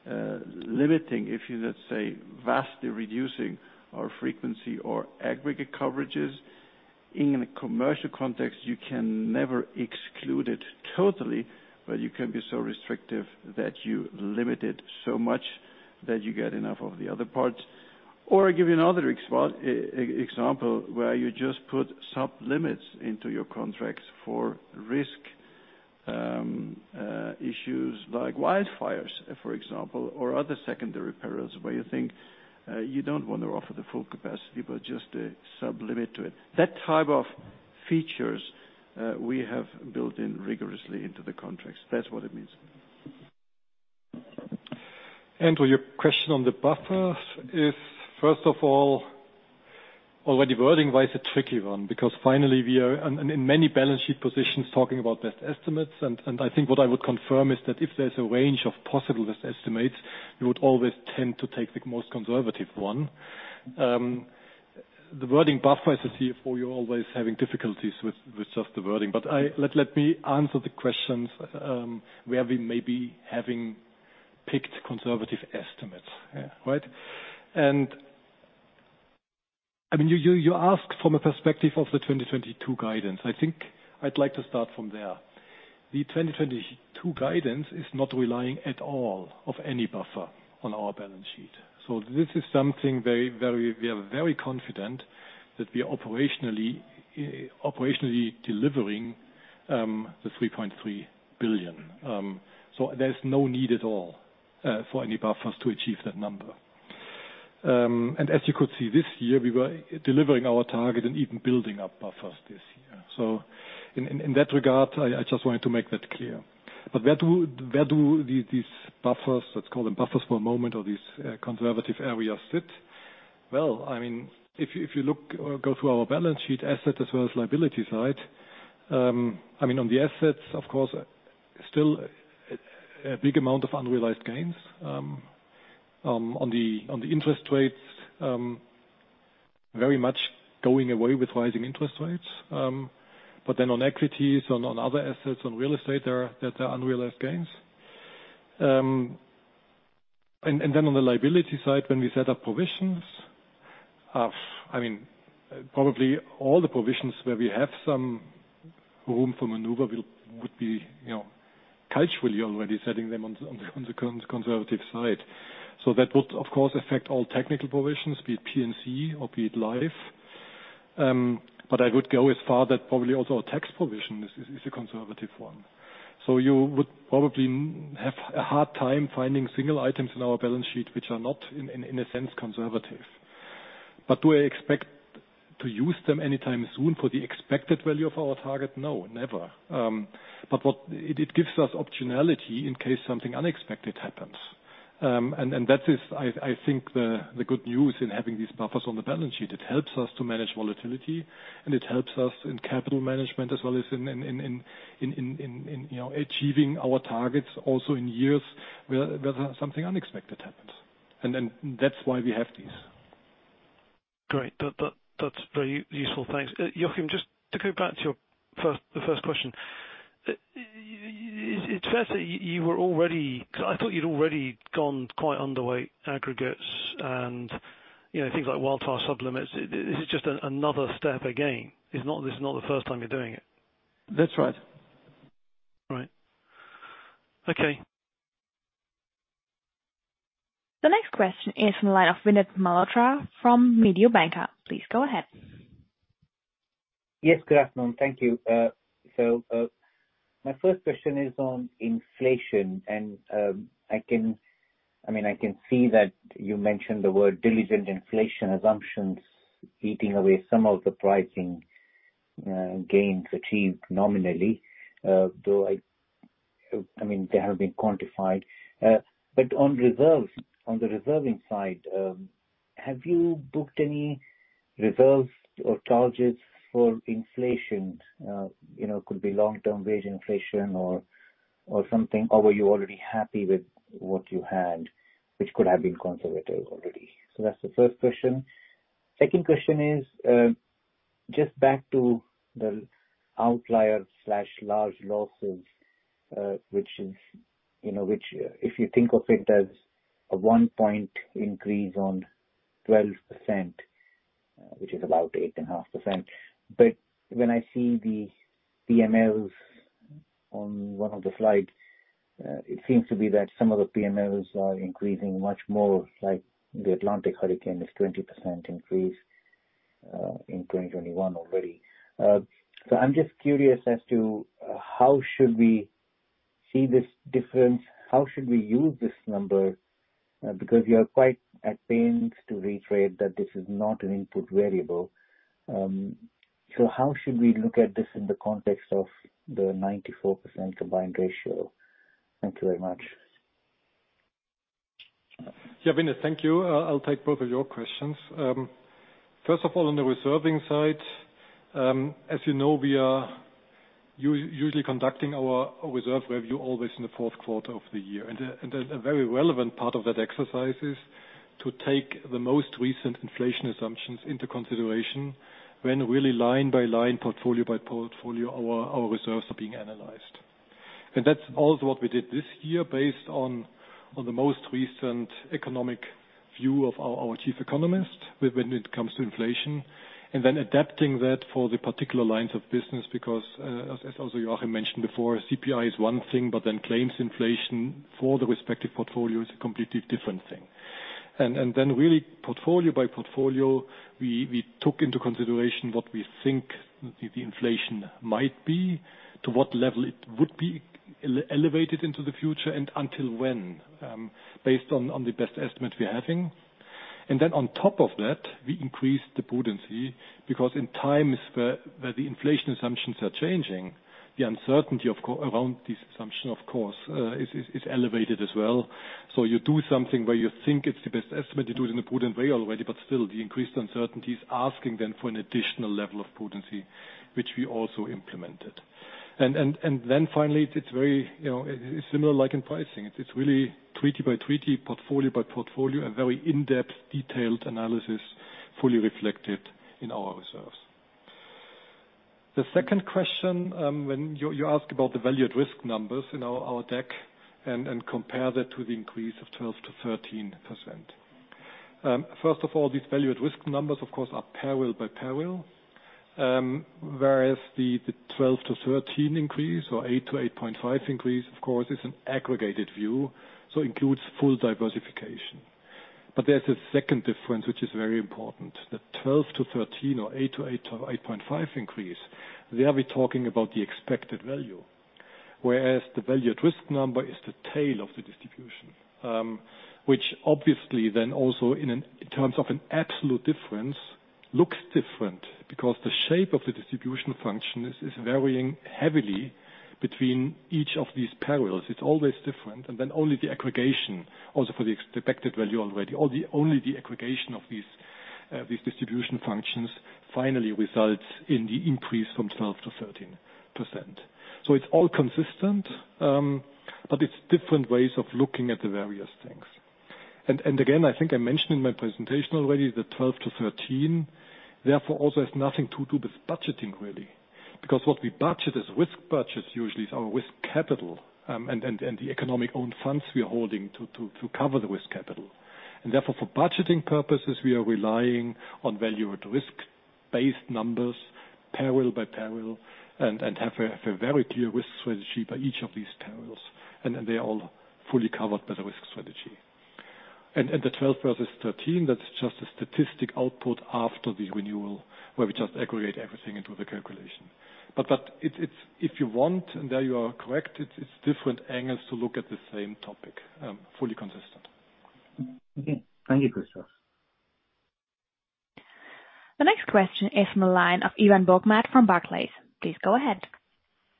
limiting, if you let's say, vastly reducing our frequency or aggregate coverages. In a commercial context, you can never exclude it totally, but you can be so restrictive that you limit it so much that you get enough of the other parts. I give you another example where you just put sub-limits into your contracts for risk issues like wildfires, for example, or other secondary perils where you think you don't wanna offer the full capacity, but just a sub-limit to it. That type of features we have built in rigorously into the contracts. That's what it means. Andrew, your question on the buffers is, first of all, already wording-wise, a tricky one, because finally, we are, in many balance sheet positions talking about best estimates. I think what I would confirm is that if there's a range of possible best estimates, you would always tend to take the most conservative one. The wording buffers is here for you always having difficulties with just the wording. Let me answer the questions where we may be having picked conservative estimates. Yeah, right? I mean, you asked from a perspective of the 2022 guidance. I think I'd like to start from there. The 2022 guidance is not relying at all on any buffer on our balance sheet. This is something very we are very confident that we are operationally delivering the 3.3 billion. There's no need at all for any buffers to achieve that number. As you could see, this year, we were delivering our target and even building up buffers this year. In that regard, I just wanted to make that clear. Where do these buffers, let's call them buffers for a moment, or these conservative areas sit? Well, I mean, if you look or go through our balance sheet asset as well as liability side, I mean, on the assets, of course, still a big amount of unrealized gains. On the interest rates, very much going away with rising interest rates. But then on equities, on other assets, on real estate, there are unrealized gains. And then on the liability side, when we set up provisions, I mean, probably all the provisions where we have some room for maneuver would be, you know, culturally already setting them on the conservative side. So that would, of course, affect all technical provisions, be it P&C or be it life. But I would go as far that probably also our tax provision is a conservative one. You would probably have a hard time finding single items in our balance sheet which are not, in a sense, conservative. Do I expect to use them anytime soon for the expected value of our target? No, never. What it gives us optionality in case something unexpected happens. That is, I think the good news in having these buffers on the balance sheet. It helps us to manage volatility, and it helps us in capital management as well as in, you know, achieving our targets also in years where something unexpected happens. That's why we have these. Great. That's very useful. Thanks. Joachim, just to go back to your first question. Is it fair to say you were already, 'cause I thought you'd already gone quite underweight aggregates and, you know, things like worldwide sub-limits. Is it just another step again? It's not. This is not the first time you're doing it. That's right. All right. Okay. The next question is from the line of Vinit Malhotra from Mediobanca. Please go ahead. Yes. Good afternoon. Thank you. My first question is on inflation. I mean, I can see that you mentioned the word diligent inflation assumptions eating away some of the pricing gains achieved nominally. Though I mean, they have been quantified. But on reserves, on the reserving side, have you booked any reserves or charges for inflation? You know, could be long-term wage inflation or something, or were you already happy with what you had, which could have been conservative already? That's the first question. Second question is just back to the outlier/large losses, which is, you know, if you think of it as a one point increase on 12%, which is about 8.5%. When I see the PMLs on one of the slides, it seems to be that some of the PMLs are increasing much more like the Atlantic hurricane is 20% increase in 2021 already. I'm just curious as to how should we see this difference. How should we use this number? Because you are quite at pains to reiterate that this is not an input variable. How should we look at this in the context of the 94% combined ratio. Thank you very much. Yeah. Vinit, thank you. I'll take both of your questions. First of all, on the reserving side, as you know, we are usually conducting our reserve review always in the fourth quarter of the year. A very relevant part of that exercise is to take the most recent inflation assumptions into consideration when really line by line, portfolio by portfolio, our reserves are being analyzed. That's also what we did this year based on the most recent economic view of our chief economist when it comes to inflation, and then adapting that for the particular lines of business, because as also Joachim mentioned before, CPI is one thing, but then claims inflation for the respective portfolio is a completely different thing. Then really portfolio by portfolio, we took into consideration what we think the inflation might be, to what level it would be elevated into the future and until when, based on the best estimate we're having. Then on top of that, we increased the prudency because in times where the inflation assumptions are changing, the uncertainty around this assumption, of course, is elevated as well. You do something where you think it's the best estimate to do it in a prudent way already, but still the increased uncertainty is asking then for an additional level of prudency, which we also implemented. Then finally, it's very, you know, it's similar like in pricing. It's really treaty by treaty, portfolio by portfolio, a very in-depth, detailed analysis, fully reflected in our reserves. The second question, when you ask about the value at risk numbers in our deck and compare that to the increase of 12%-13%. First of all, these value at risk numbers, of course, are parallel by parallel, whereas the 12%-13% increase, or 8%-8.5% increase, of course, is an aggregated view, so includes full diversification. There's a second difference, which is very important. The 12%-13% or 8%-8.5% increase, there we're talking about the expected value. Whereas the value at risk number is the tail of the distribution, which obviously then also in terms of an absolute difference, looks different because the shape of the distribution function is varying heavily between each of these parallels. It's always different. Only the aggregation, also for the expected value already, or only the aggregation of these distribution functions finally results in the increase from 12% to 13%. It's all consistent, but it's different ways of looking at the various things. Again, I think I mentioned in my presentation already the 12%-13%, therefore also has nothing to do with budgeting really. Because what we budget is risk budgets usually is our risk capital, and the economic own funds we are holding to cover the risk capital. Therefore for budgeting purposes, we are relying on value at risk-based numbers, parallel by parallel, and have a very clear risk strategy by each of these parallels. They are all fully covered by the risk strategy. The 12 versus 13, that's just a statistic output after the renewal where we just aggregate everything into the calculation. That's if you want, and there you are correct. It's different angles to look at the same topic, fully consistent. Okay. Thank you, Christoph. The next question is from the line of Ivan Bokhmat from Barclays. Please go ahead.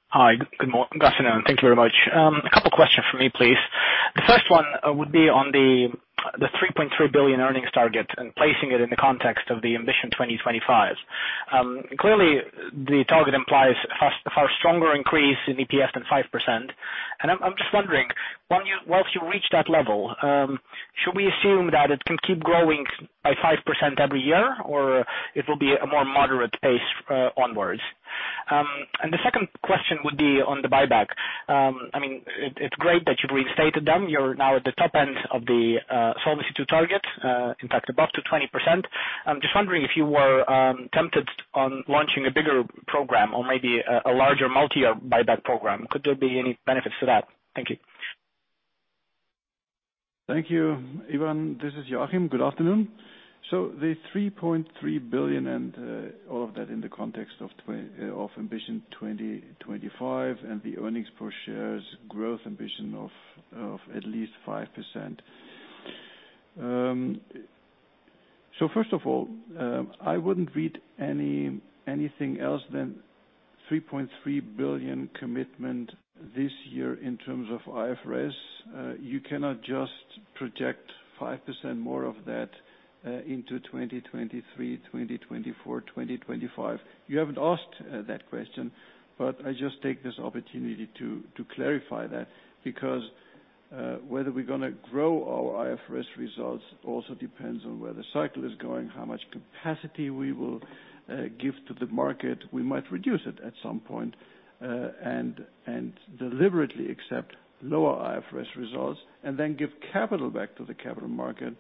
Hi. Good afternoon. Thank you very much. A couple questions for me, please. The first one would be on the 3.3 billion earnings target and placing it in the context of the Ambition 2025. Clearly the target implies far stronger increase in EPS than 5%. I'm just wondering, once you reach that level, should we assume that it can keep growing by 5% every year or it will be a more moderate pace onwards. The second question would be on the buyback. I mean, it's great that you've reinstated them. You're now at the top end of the Solvency II target, in fact above 200%. I'm just wondering if you were tempted on launching a bigger program or maybe a larger multi-year buyback program. Could there be any benefits to that? Thank you. Thank you, Ivan. This is Joachim. Good afternoon. The 3.3 billion and all of that in the context of Ambition 2025 and the earnings per shares growth ambition of at least 5%. First of all, I wouldn't read anything else than 3.3 billion commitment this year in terms of IFRS. You cannot just project 5% more of that into 2023, 2024, 2025. You haven't asked that question, but I just take this opportunity to clarify that because whether we're gonna grow our IFRS results also depends on where the cycle is going, how much capacity we will give to the market. We might reduce it at some point and deliberately accept lower IFRS results and then give capital back to the capital market,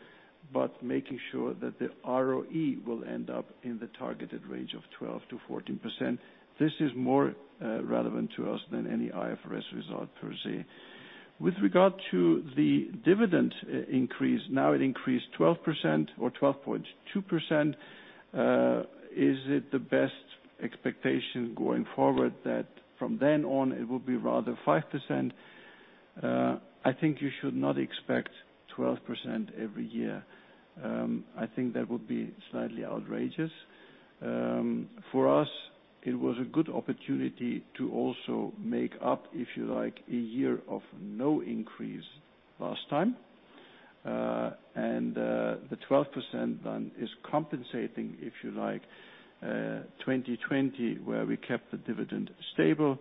but making sure that the ROE will end up in the targeted range of 12%-14%. This is more relevant to us than any IFRS result per se. With regard to the dividend increase, now it increased 12% or 12.2%. Is it the best expectation going forward that from then on, it will be rather 5%? I think you should not expect 12% every year. I think that would be slightly outrageous. For us, it was a good opportunity to also make up, if you like, a year of no increase last time. The 12% then is compensating, if you like, 2020, where we kept the dividend stable.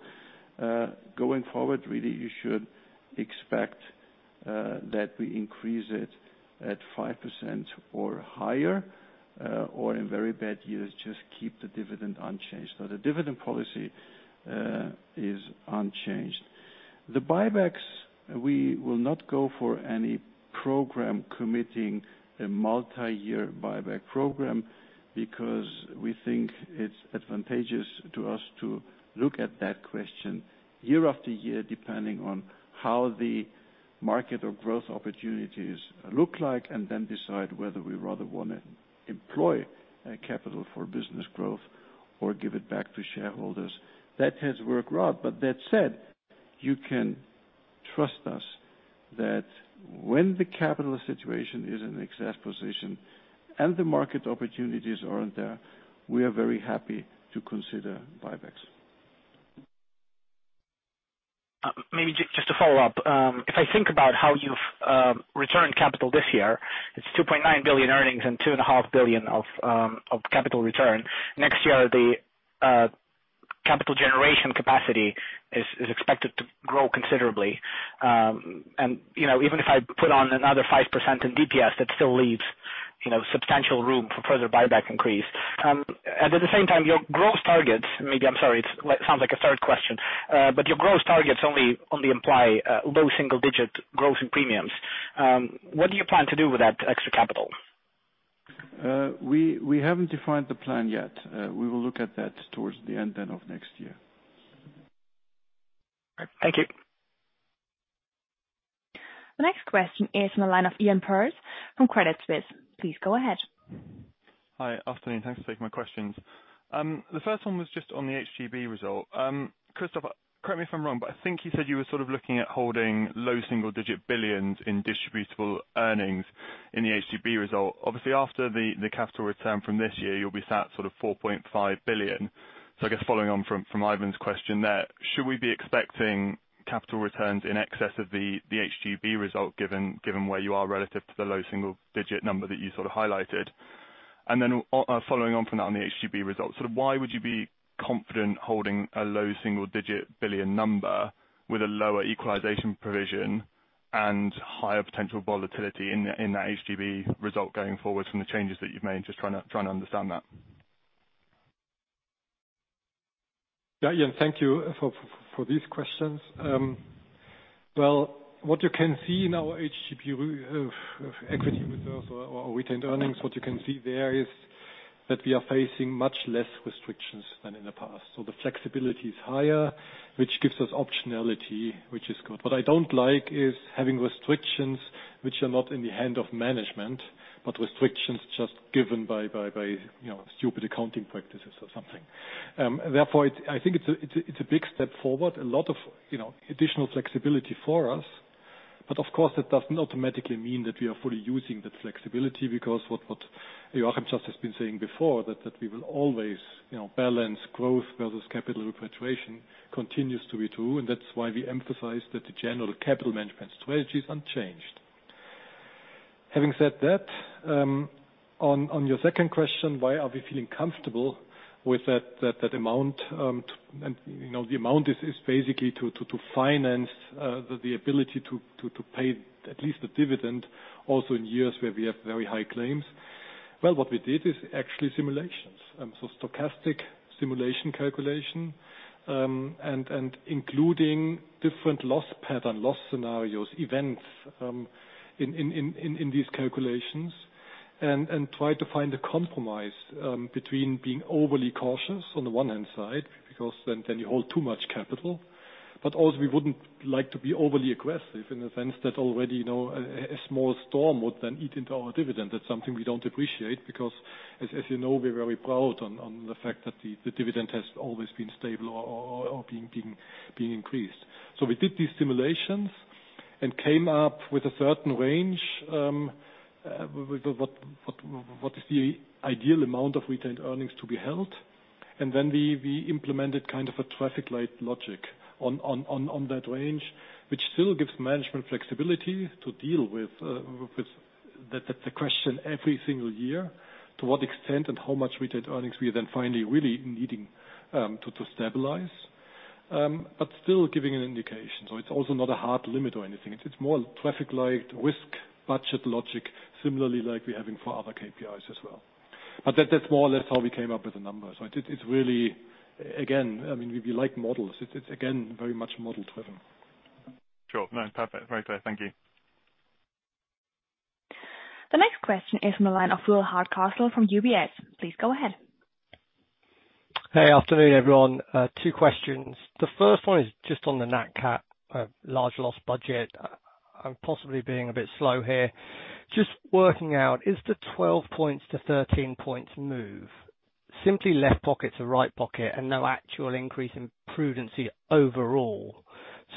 Going forward, really, you should expect that we increase it at 5% or higher, or in very bad years, just keep the dividend unchanged. The dividend policy is unchanged. The buybacks, we will not go for any program committing a multi-year buyback program because we think it's advantageous to us to look at that question year after year, depending on how the market or growth opportunities look like, and then decide whether we rather wanna employ capital for business growth or give it back to shareholders. That has worked well. That said, you can trust us that when the capital situation is in excess position and the market opportunities are in there, we are very happy to consider buybacks. Maybe just to follow up. If I think about how you've returned capital this year, it's 2.9 billion earnings and 2.5 billion of capital return. Next year, the capital generation capacity is expected to grow considerably. You know, even if I put on another 5% in DPS, that still leaves You know, substantial room for further buyback increase. At the same time, your growth targets, maybe. I'm sorry, it sounds like a third question. Your growth targets only imply low single-digit growth in premiums. What do you plan to do with that extra capital? We haven't defined the plan yet. We will look at that towards the end then of next year. Thank you. The next question is from the line of Iain Pearce from Credit Suisse. Please go ahead. Hi. Afternoon. Thanks for taking my questions. The first one was just on the HGB result. Christoph, correct me if I'm wrong, but I think you said you were sort of looking at holding low single digit billions in distributable earnings in the HGB result. Obviously, after the capital return from this year, you'll be sat sort of 4.5 billion. I guess following on from Ivan's question there, should we be expecting capital returns in excess of the HGB result given where you are relative to the low single digit number that you sort of highlighted? Following on from that on the HGB results, sort of why would you be confident holding a low single-digit billion number with a lower equalization provision and higher potential volatility in that HGB result going forward from the changes that you've made? Just trying to understand that. Yeah, Iain, thank you for these questions. What you can see in our HGB equity reserves or retained earnings, what you can see there is that we are facing much less restrictions than in the past. The flexibility is higher, which gives us optionality, which is good. What I don't like is having restrictions which are not in the hand of management, but restrictions just given by you know stupid accounting practices or something. Therefore, I think it's a big step forward. A lot of you know additional flexibility for us. Of course, that doesn't automatically mean that we are fully using that flexibility, because what Joachim just has been saying before, that we will always, you know, balance growth versus capital repatriation continues to be true, and that's why we emphasize that the general capital management strategy is unchanged. Having said that, on your second question, why are we feeling comfortable with that amount? You know, the amount is basically to finance the ability to pay at least the dividend also in years where we have very high claims. Well, what we did is actually simulations. Stochastic simulation calculation, including different loss pattern, loss scenarios, events in these calculations, and try to find a compromise between being overly cautious on the one hand side, because then you hold too much capital. Also we wouldn't like to be overly aggressive in the sense that already, you know, a small storm would then eat into our dividend. That's something we don't appreciate, because as you know, we're very proud on the fact that the dividend has always been stable or been increased. We did these simulations and came up with a certain range with what is the ideal amount of retained earnings to be held. Then we implemented kind of a traffic light logic on that range, which still gives management flexibility to deal with the question every single year to what extent and how much retained earnings we are then finally really needing to stabilize. But still giving an indication. It's also not a hard limit or anything. It's more traffic light risk budget logic, similarly like we're having for other KPIs as well. That's more or less how we came up with the numbers. It's really again, I mean, we like models. It's again, very much model-driven. Sure. No. Perfect. Very clear. Thank you. The next question is from the line of Will Hardcastle from UBS. Please go ahead. Hey. Afternoon, everyone. Two questions. The first one is just on the nat cat large loss budget. I'm possibly being a bit slow here. Just working out, is the 12 points-13 points move simply left pocket to right pocket and no actual increase in prudency overall?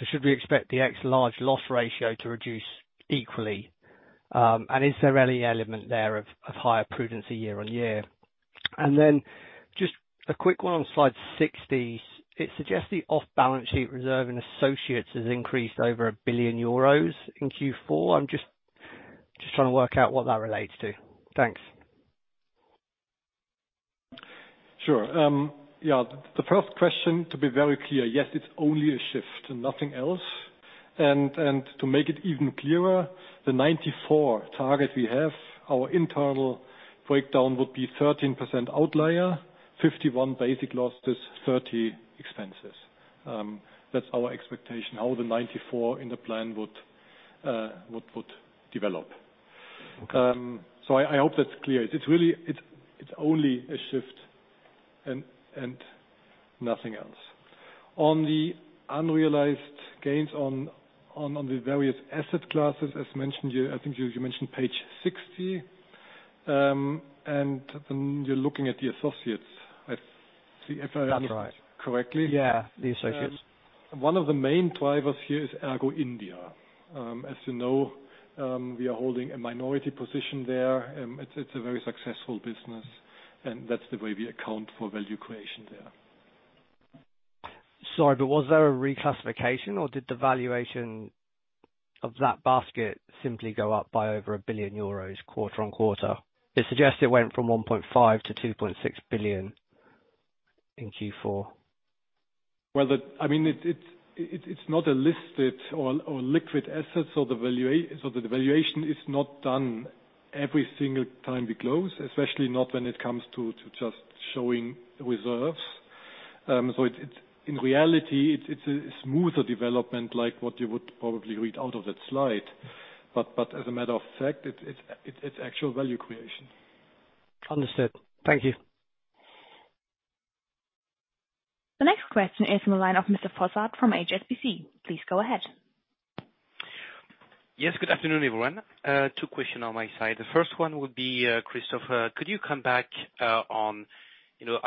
So should we expect the X-large loss ratio to reduce equally? And is there any element there of higher prudency year on year? And then just a quick one on slide 60. It suggests the off-balance sheet reserve in associates has increased over 1 billion euros in Q4. I'm just trying to work out what that relates to. Thanks. Sure. The first question, to be very clear, yes, it's only a shift and nothing else. To make it even clearer, the 94 target we have, our internal breakdown would be 13% outlier, 51 basic losses, 30 expenses. That's our expectation, how the 94 in the plan would develop. I hope that's clear. It's really only a shift and nothing else. On the unrealized gains on the various asset classes, as mentioned, I think you mentioned page 60. And then you're looking at the associates. If I understand. That's right. Correctly. Yeah, the associates. One of the main drivers here is is ERGO India. As you know, we are holding a minority position there. It's a very successful business, and that's the way we account for value creation there. Sorry, was there a reclassification or did the valuation of that basket simply go up by over 1 billion euros quarter on quarter? It suggests it went from 1.5 billion-2.6 billion in Q4. Well, I mean, it's not a listed or illiquid assets, so the valuation is not done every single time we close, especially not when it comes to just showing reserves. In reality, it's actual value creation. Understood. Thank you. The next question is from the line of Mr. Fossard from HSBC. Please go ahead. Yes, good afternoon, everyone. Two questions on my side. The first one would be, Christoph, could you come back on, you know,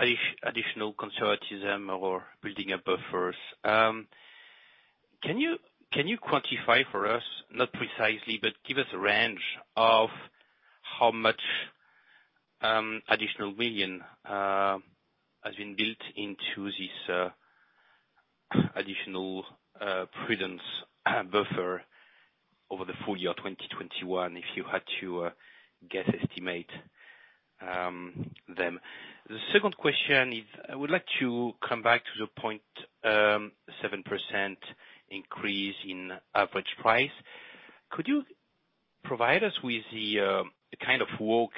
additional conservatism or building up buffers. Can you quantify for us, not precisely, but give us a range of how much additional million has been built into this additional prudence buffer over the full year 2021, if you had to guess, estimate them. The second question is, I would like to come back to the 7% increase in average price. Could you provide us with the kind of walk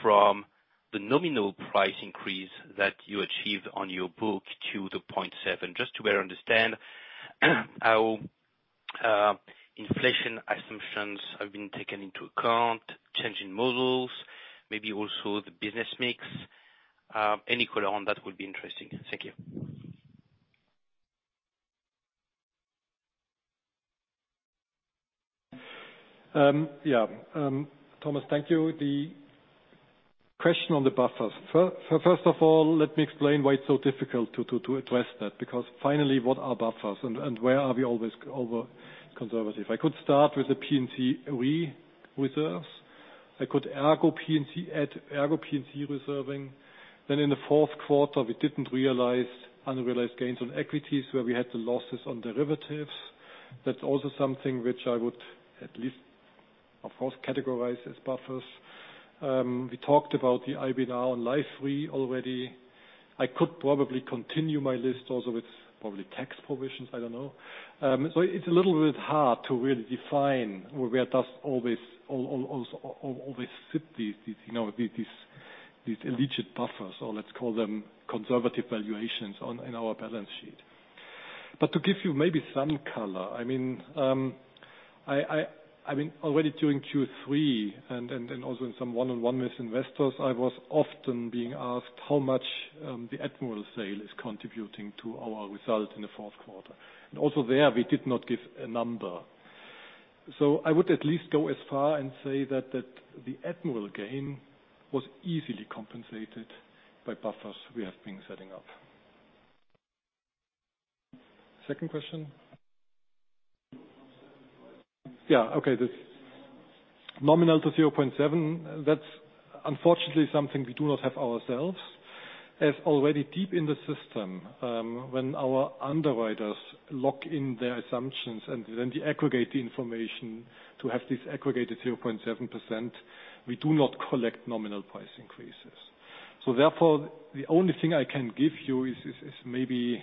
from the nominal price increase that you achieved on your book to the 0.7, just to better understand how inflation assumptions have been taken into account, change in models, maybe also the business mix. Any color on that would be interesting. Thank you. Thomas, thank you. The question on the buffers. First of all, let me explain why it's so difficult to address that. Because finally, what are buffers and where are we always over conservative? I could start with the P&C Re reserves. I could add P&C, add ERGO P&C reserving. Then in the fourth quarter, we didn't realize unrealized gains on equities, where we had the losses on derivatives. That's also something which I would at least, of course, categorize as buffers. We talked about the IBNR and Life Re already. I could probably continue my list also with probably tax provisions. I don't know. So it's a little bit hard to really define where we are just always also always fit these, you know, these alleged buffers, or let's call them conservative valuations in our balance sheet. To give you maybe some color, I mean, already during Q3 and also in some one-on-one with investors, I was often being asked how much the Admiral sale is contributing to our result in the fourth quarter. Also there, we did not give a number. I would at least go as far and say that the Admiral gain was easily compensated by buffers we have been setting up. Second question? Yeah. Okay. The nominal to 0.7, that's unfortunately something we do not have ourselves. As already deep in the system, when our underwriters lock in their assumptions and then they aggregate the information to have this aggregated 0.7%, we do not collect nominal price increases. Therefore, the only thing I can give you is maybe,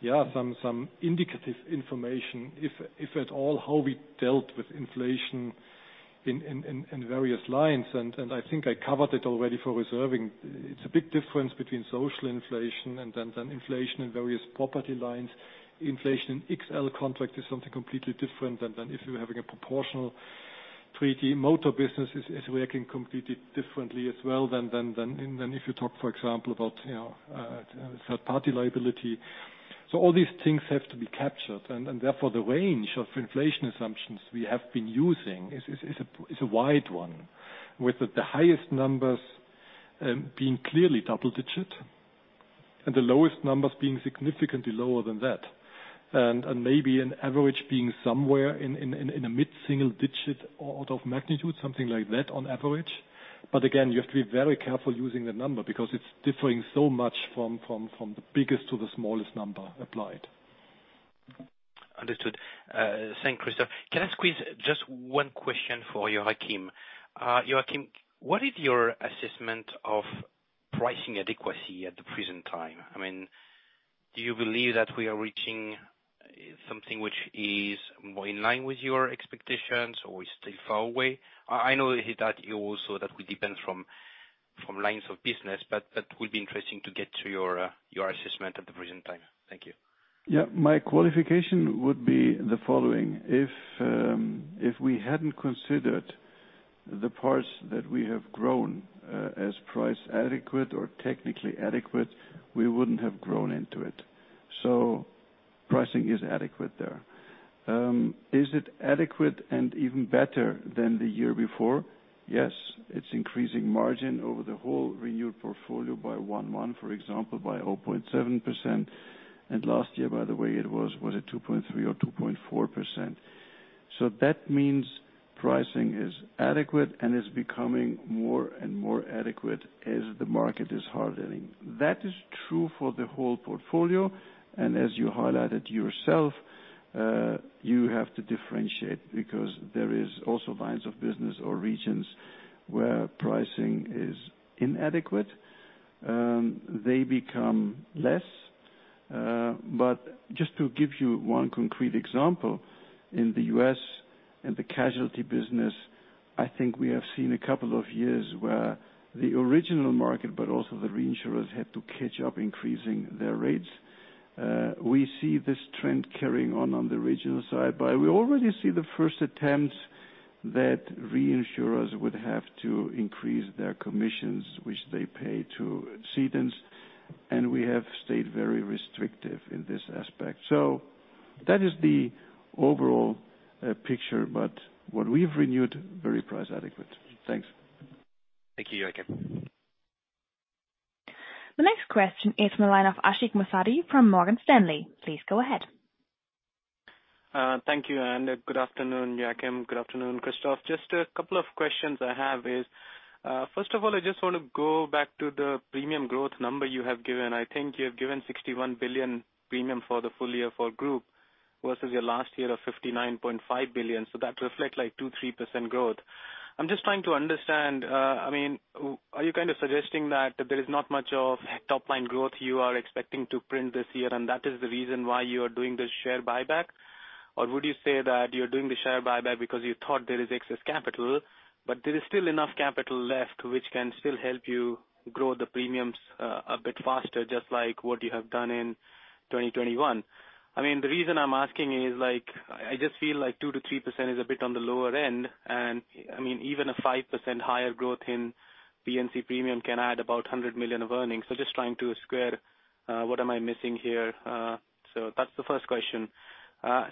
yeah, some indicative information, if at all, how we dealt with inflation in various lines. I think I covered it already for reserving. It's a big difference between social inflation and then inflation in various property lines. Inflation itself contracted something completely different than if you're having a proportional treaty. Motor business is working completely differently as well than if you talk, for example, about, you know, third-party liability. All these things have to be captured. Therefore, the range of inflation assumptions we have been using is a wide one, with the highest numbers being clearly double digit, and the lowest numbers being significantly lower than that. Maybe an average being somewhere in a mid-single digit order of magnitude, something like that on average. Again, you have to be very careful using the number because it's differing so much from the biggest to the smallest number applied. Understood. Thanks, Christoph. Can I squeeze just one question for Joachim? Joachim, what is your assessment of pricing adequacy at the present time? I mean, do you believe that we are reaching something which is more in line with your expectations or is still far away? I know that you also, that will depend from lines of business, but that will be interesting to get to your assessment at the present time. Thank you. Yeah. My qualification would be the following. If we hadn't considered the parts that we have grown as price adequate or technically adequate, we wouldn't have grown into it. Pricing is adequate there. Is it adequate and even better than the year before? Yes, it's increasing margin over the whole renewed portfolio by 1.1, for example, by 0.7%. Last year, by the way, it was 2.3% or 2.4%. That means pricing is adequate and is becoming more and more adequate as the market is hardening. That is true for the whole portfolio. As you highlighted yourself, you have to differentiate because there is also lines of business or regions Where pricing is inadequate, they become less. Just to give you one concrete example, in the U.S., in the casualty business, I think we have seen a couple of years where the original market, but also the reinsurers had to catch up increasing their rates. We see this trend carrying on the regional side. We already see the first attempts that reinsurers would have to increase their commissions, which they pay to cedents, and we have stayed very restrictive in this aspect. That is the overall picture, but what we've renewed, very price adequate. Thanks. Thank you, Joachim. The next question is in the line of Ashik Musaddi from Morgan Stanley. Please go ahead. Thank you. Good afternoon, Joachim. Good afternoon, Christoph. Just a couple of questions I have is, first of all, I just wanna go back to the premium growth number you have given. I think you have given 61 billion premium for the full year for group, versus your last year of 59.5 billion. That reflect like 2-3% growth. I'm just trying to understand, I mean, are you kind of suggesting that there is not much of top line growth you are expecting to print this year, and that is the reason why you are doing the share buyback? Would you say that you're doing the share buyback because you thought there is excess capital, but there is still enough capital left, which can still help you grow the premiums, a bit faster, just like what you have done in 2021? I mean, the reason I'm asking is, like, I just feel like 2%-3% is a bit on the lower end. I mean, even a 5% higher growth in P&C premium can add about 100 million of earnings. Just trying to square what am I missing here? That's the first question.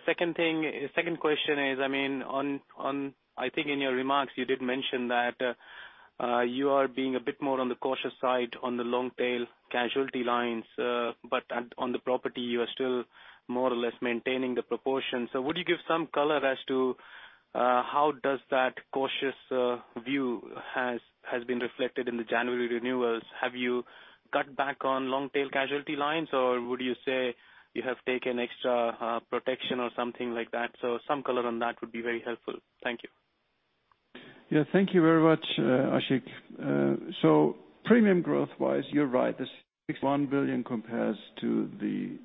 Second thing, second question is, I mean, on, I think in your remarks, you did mention that you are being a bit more on the cautious side on the long tail casualty lines, but on the property, you are still more or less maintaining the proportion. Would you give some color as to how does that cautious view has been reflected in the January renewals? Have you cut back on long tail casualty lines, or would you say you have taken extra protection or something like that? Some color on that would be very helpful. Thank you. Yeah, thank you very much, Ashik. So premium growth-wise, you're right. The 61 billion compares to the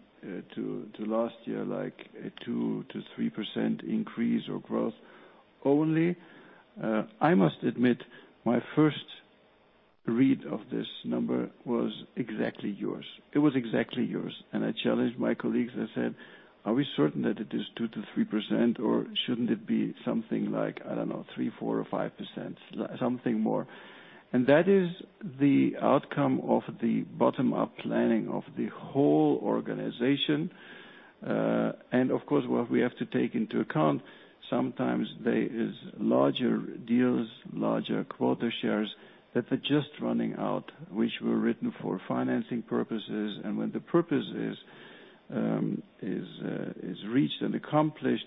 last year, like a 2%-3% increase or growth only. I must admit, my first read of this number was exactly yours. It was exactly yours. I challenged my colleagues. I said, "Are we certain that it is 2%-3%, or shouldn't it be something like, I don't know, 3%, 4% or 5%, something more?" That is the outcome of the bottom-up planning of the whole organization. Of course, what we have to take into account, sometimes there is larger deals, larger quota shares that are just running out, which were written for financing purposes. When the purpose is reached and accomplished,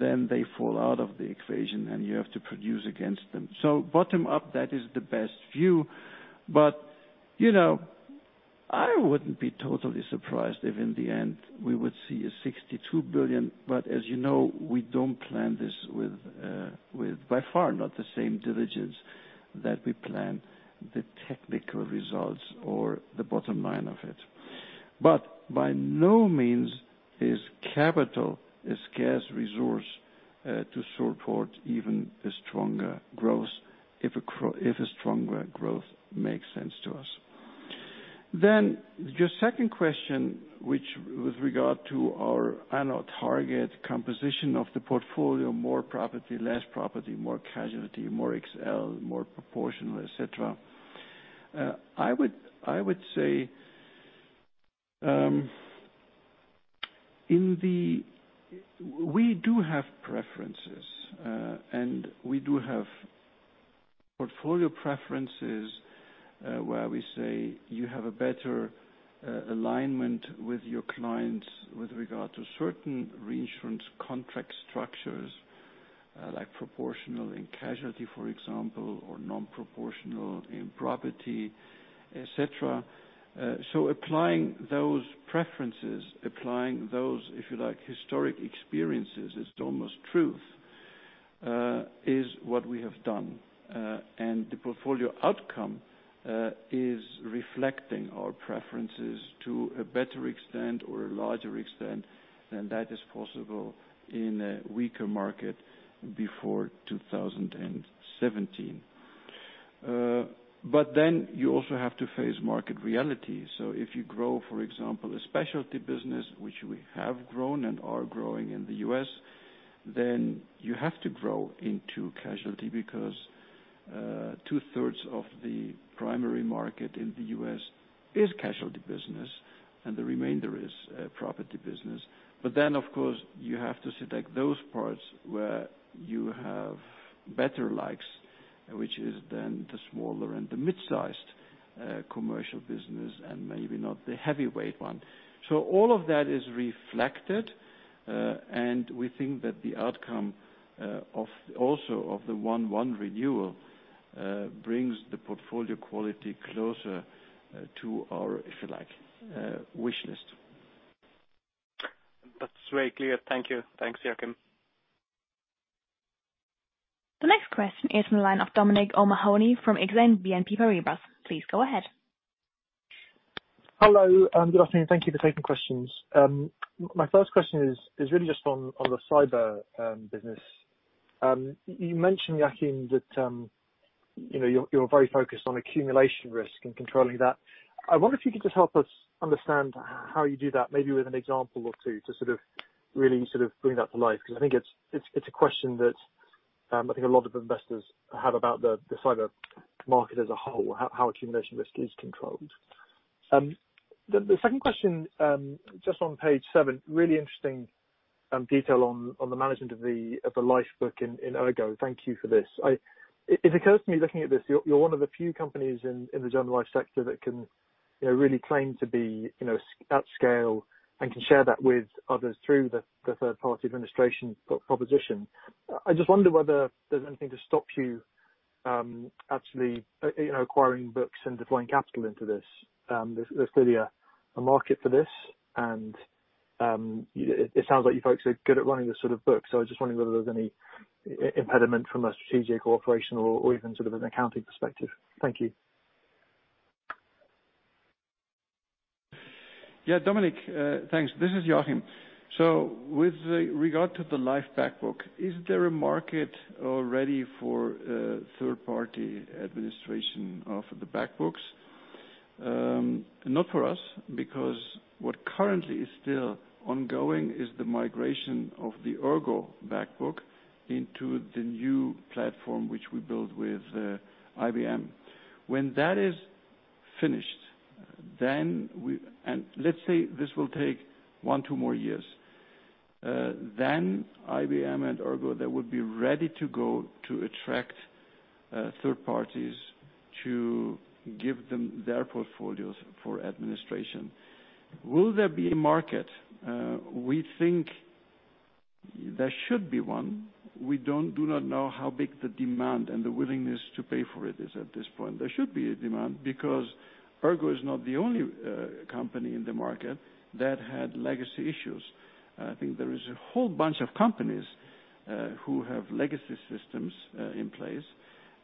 then they fall out of the equation and you have to produce against them. Bottom up, that is the best view. But, you know, I wouldn't be totally surprised if in the end we would see 62 billion. But as you know, we don't plan this with by far not the same diligence that we plan the technical results or the bottom line of it. But by no means is capital a scarce resource to support even a stronger growth if a stronger growth makes sense to us. Your second question, which with regard to our annual target composition of the portfolio, more property, less property, more casualty, more excel, more proportional, et cetera. I would say, in the. We do have preferences, and we do have portfolio preferences, where we say you have a better alignment with your clients with regard to certain reinsurance contract structures, like proportional in casualty, for example, or non-proportional in property, et cetera. Applying those preferences, if you like, historic experiences is almost true, is what we have done. The portfolio outcome is reflecting our preferences to a better extent or a larger extent than that is possible in a weaker market before 2017. You also have to face market reality. If you grow, for example, a specialty business, which we have grown and are growing in the U.S., then you have to grow into casualty because two-thirds of the primary market in the U.S. is casualty business and the remainder is property business. Then, of course, you have to select those parts where you have better likes, which is then the smaller and the mid-sized commercial business and maybe not the heavyweight one. All of that is reflected, and we think that the outcome of also of the 1-1 renewal brings the portfolio quality closer to our, if you like, wishlist. It's very clear. Thank you. Thanks, Joachim. The next question is in the line of Dominic O'Mahony from Exane BNP Paribas. Please go ahead. Hello, and good afternoon. Thank you for taking questions. My first question is really just on the cyber business. You mentioned, Joachim, that you know, you're very focused on accumulation risk and controlling that. I wonder if you could just help us understand how you do that, maybe with an example or two to sort of really sort of bring that to life, because I think it's a question that I think a lot of investors have about the cyber market as a whole, how accumulation risk is controlled. The second question just on page seven, really interesting detail on the management of the life book in ERGO. Thank you for this. I It occurs to me looking at this, you're one of the few companies in the general sector that can really claim to be at scale and can share that with others through the third-party administration proposition. I just wonder whether there's anything to stop you actually acquiring books and deploying capital into this. There's clearly a market for this, and it sounds like you folks are good at running this sort of book, so I was just wondering whether there's any impediment from a strategic or operational or even sort of an accounting perspective. Thank you. Yeah, Dominic. Thanks. This is Joachim. With regard to the life back book, is there a market already for a third-party administration of the back books? Not for us, because what currently is still ongoing is the migration of the ERGO back book into the new platform, which we built with IBM. When that is finished, let's say this will take one or two more years, then IBM and ERGO, they would be ready to go to attract third parties to give them their portfolios for administration. Will there be a market? We think there should be one. We do not know how big the demand and the willingness to pay for it is at this point. There should be a demand because ERGO is not the only company in the market that had legacy issues. I think there is a whole bunch of companies who have legacy systems in place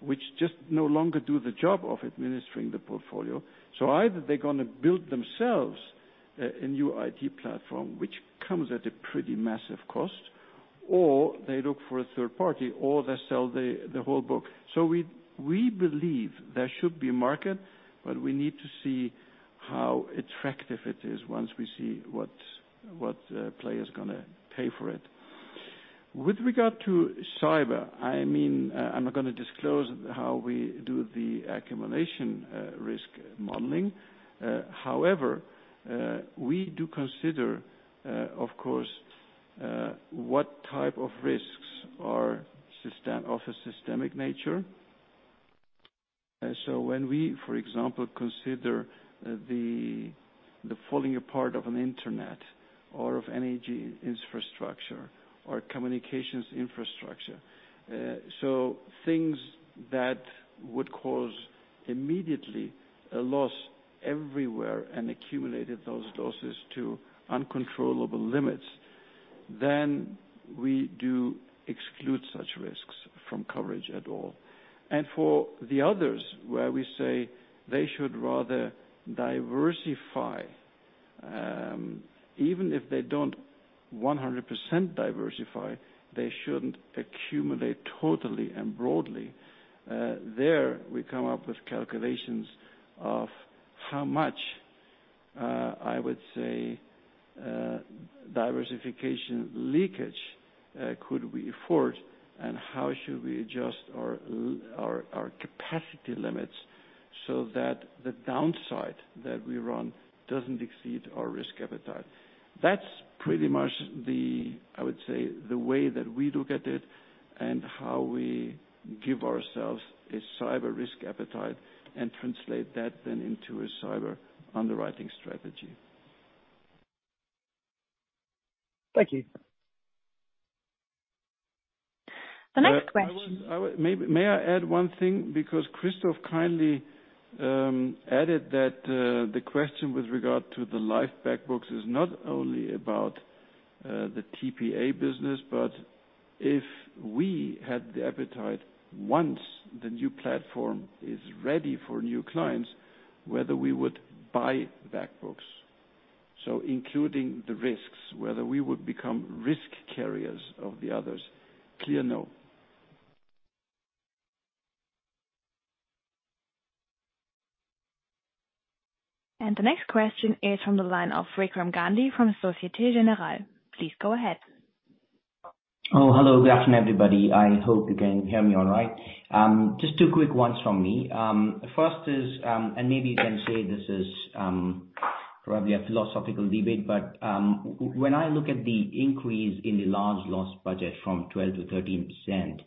which just no longer do the job of administering the portfolio. Either they're gonna build themselves a new IT platform, which comes at a pretty massive cost, or they look for a third party, or they sell the whole book. We believe there should be a market, but we need to see how attractive it is once we see what player's gonna pay for it. With regard to cyber, I mean, I'm not gonna disclose how we do the accumulation risk modeling. However, we do consider, of course, what type of risks are of a systemic nature. When we, for example, consider the falling apart of an internet or of energy infrastructure or communications infrastructure, things that would cause immediately a loss everywhere and accumulating those losses to uncontrollable limits, then we do exclude such risks from coverage at all. For the others, where we say they should rather diversify, even if they don't 100% diversify, they shouldn't accumulate totally and broadly. There, we come up with calculations of how much, I would say, diversification leakage could we afford and how should we adjust our capacity limits so that the downside that we run doesn't exceed our risk appetite. That's pretty much the, I would say, the way that we look at it and how we give ourselves a cyber risk appetite and translate that then into a cyber underwriting strategy. Thank you. The next question. May I add one thing, because Christoph kindly added that the question with regard to the life back books is not only about the TPA business, but if we had the appetite, once the new platform is ready for new clients, whether we would buy back books. Including the risks, whether we would become risk carriers of the others. Clear no. The next question is from the line of Vikram Gandhi from Société Générale. Please go ahead. Oh, hello. Good afternoon, everybody. I hope you can hear me all right. Just two quick ones from me. First is, and maybe you can say this is probably a philosophical debate, but when I look at the increase in the large loss budget from 12%-13%,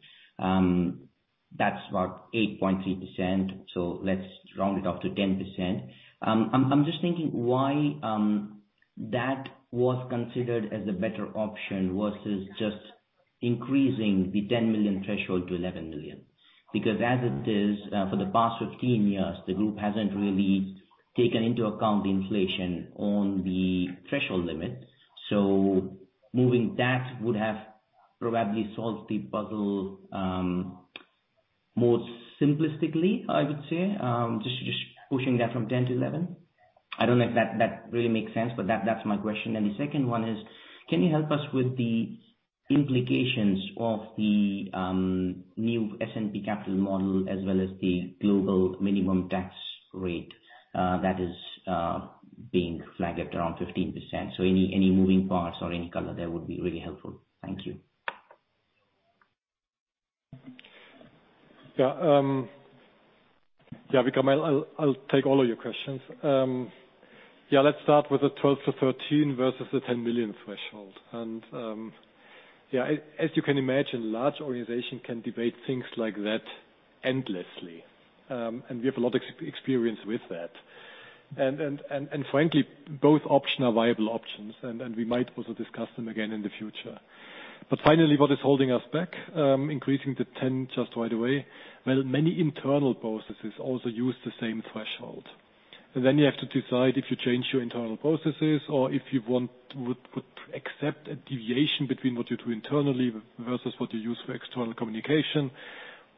that's about 8.3%, so let's round it up to 10%. I'm just thinking why that was considered as a better option versus just increasing the 10 million threshold to 11 million, because as it is, for the past 15 years, the group hasn't really taken into account inflation on the threshold limit. Moving that would have probably solved the puzzle more simplistically, I would say, just pushing that from 10 to 11. I don't know if that really makes sense, but that's my question. The second one is, can you help us with the implications of the new S&P capital model as well as the global minimum tax rate that is being flagged at around 15%? Any moving parts or any color there would be really helpful. Thank you. Yeah, Vikram, I'll take all of your questions. Let's start with the 12-13 versus the 10 million threshold. As you can imagine, a large organization can debate things like that endlessly. We have a lot of experience with that. Frankly, both options are viable options. We might also discuss them again in the future. Finally, what is holding us back from increasing the 10 just right away? Well, many internal processes also use the same threshold. Then you have to decide if you change your internal processes or if you would accept a deviation between what you do internally versus what you use for external communication.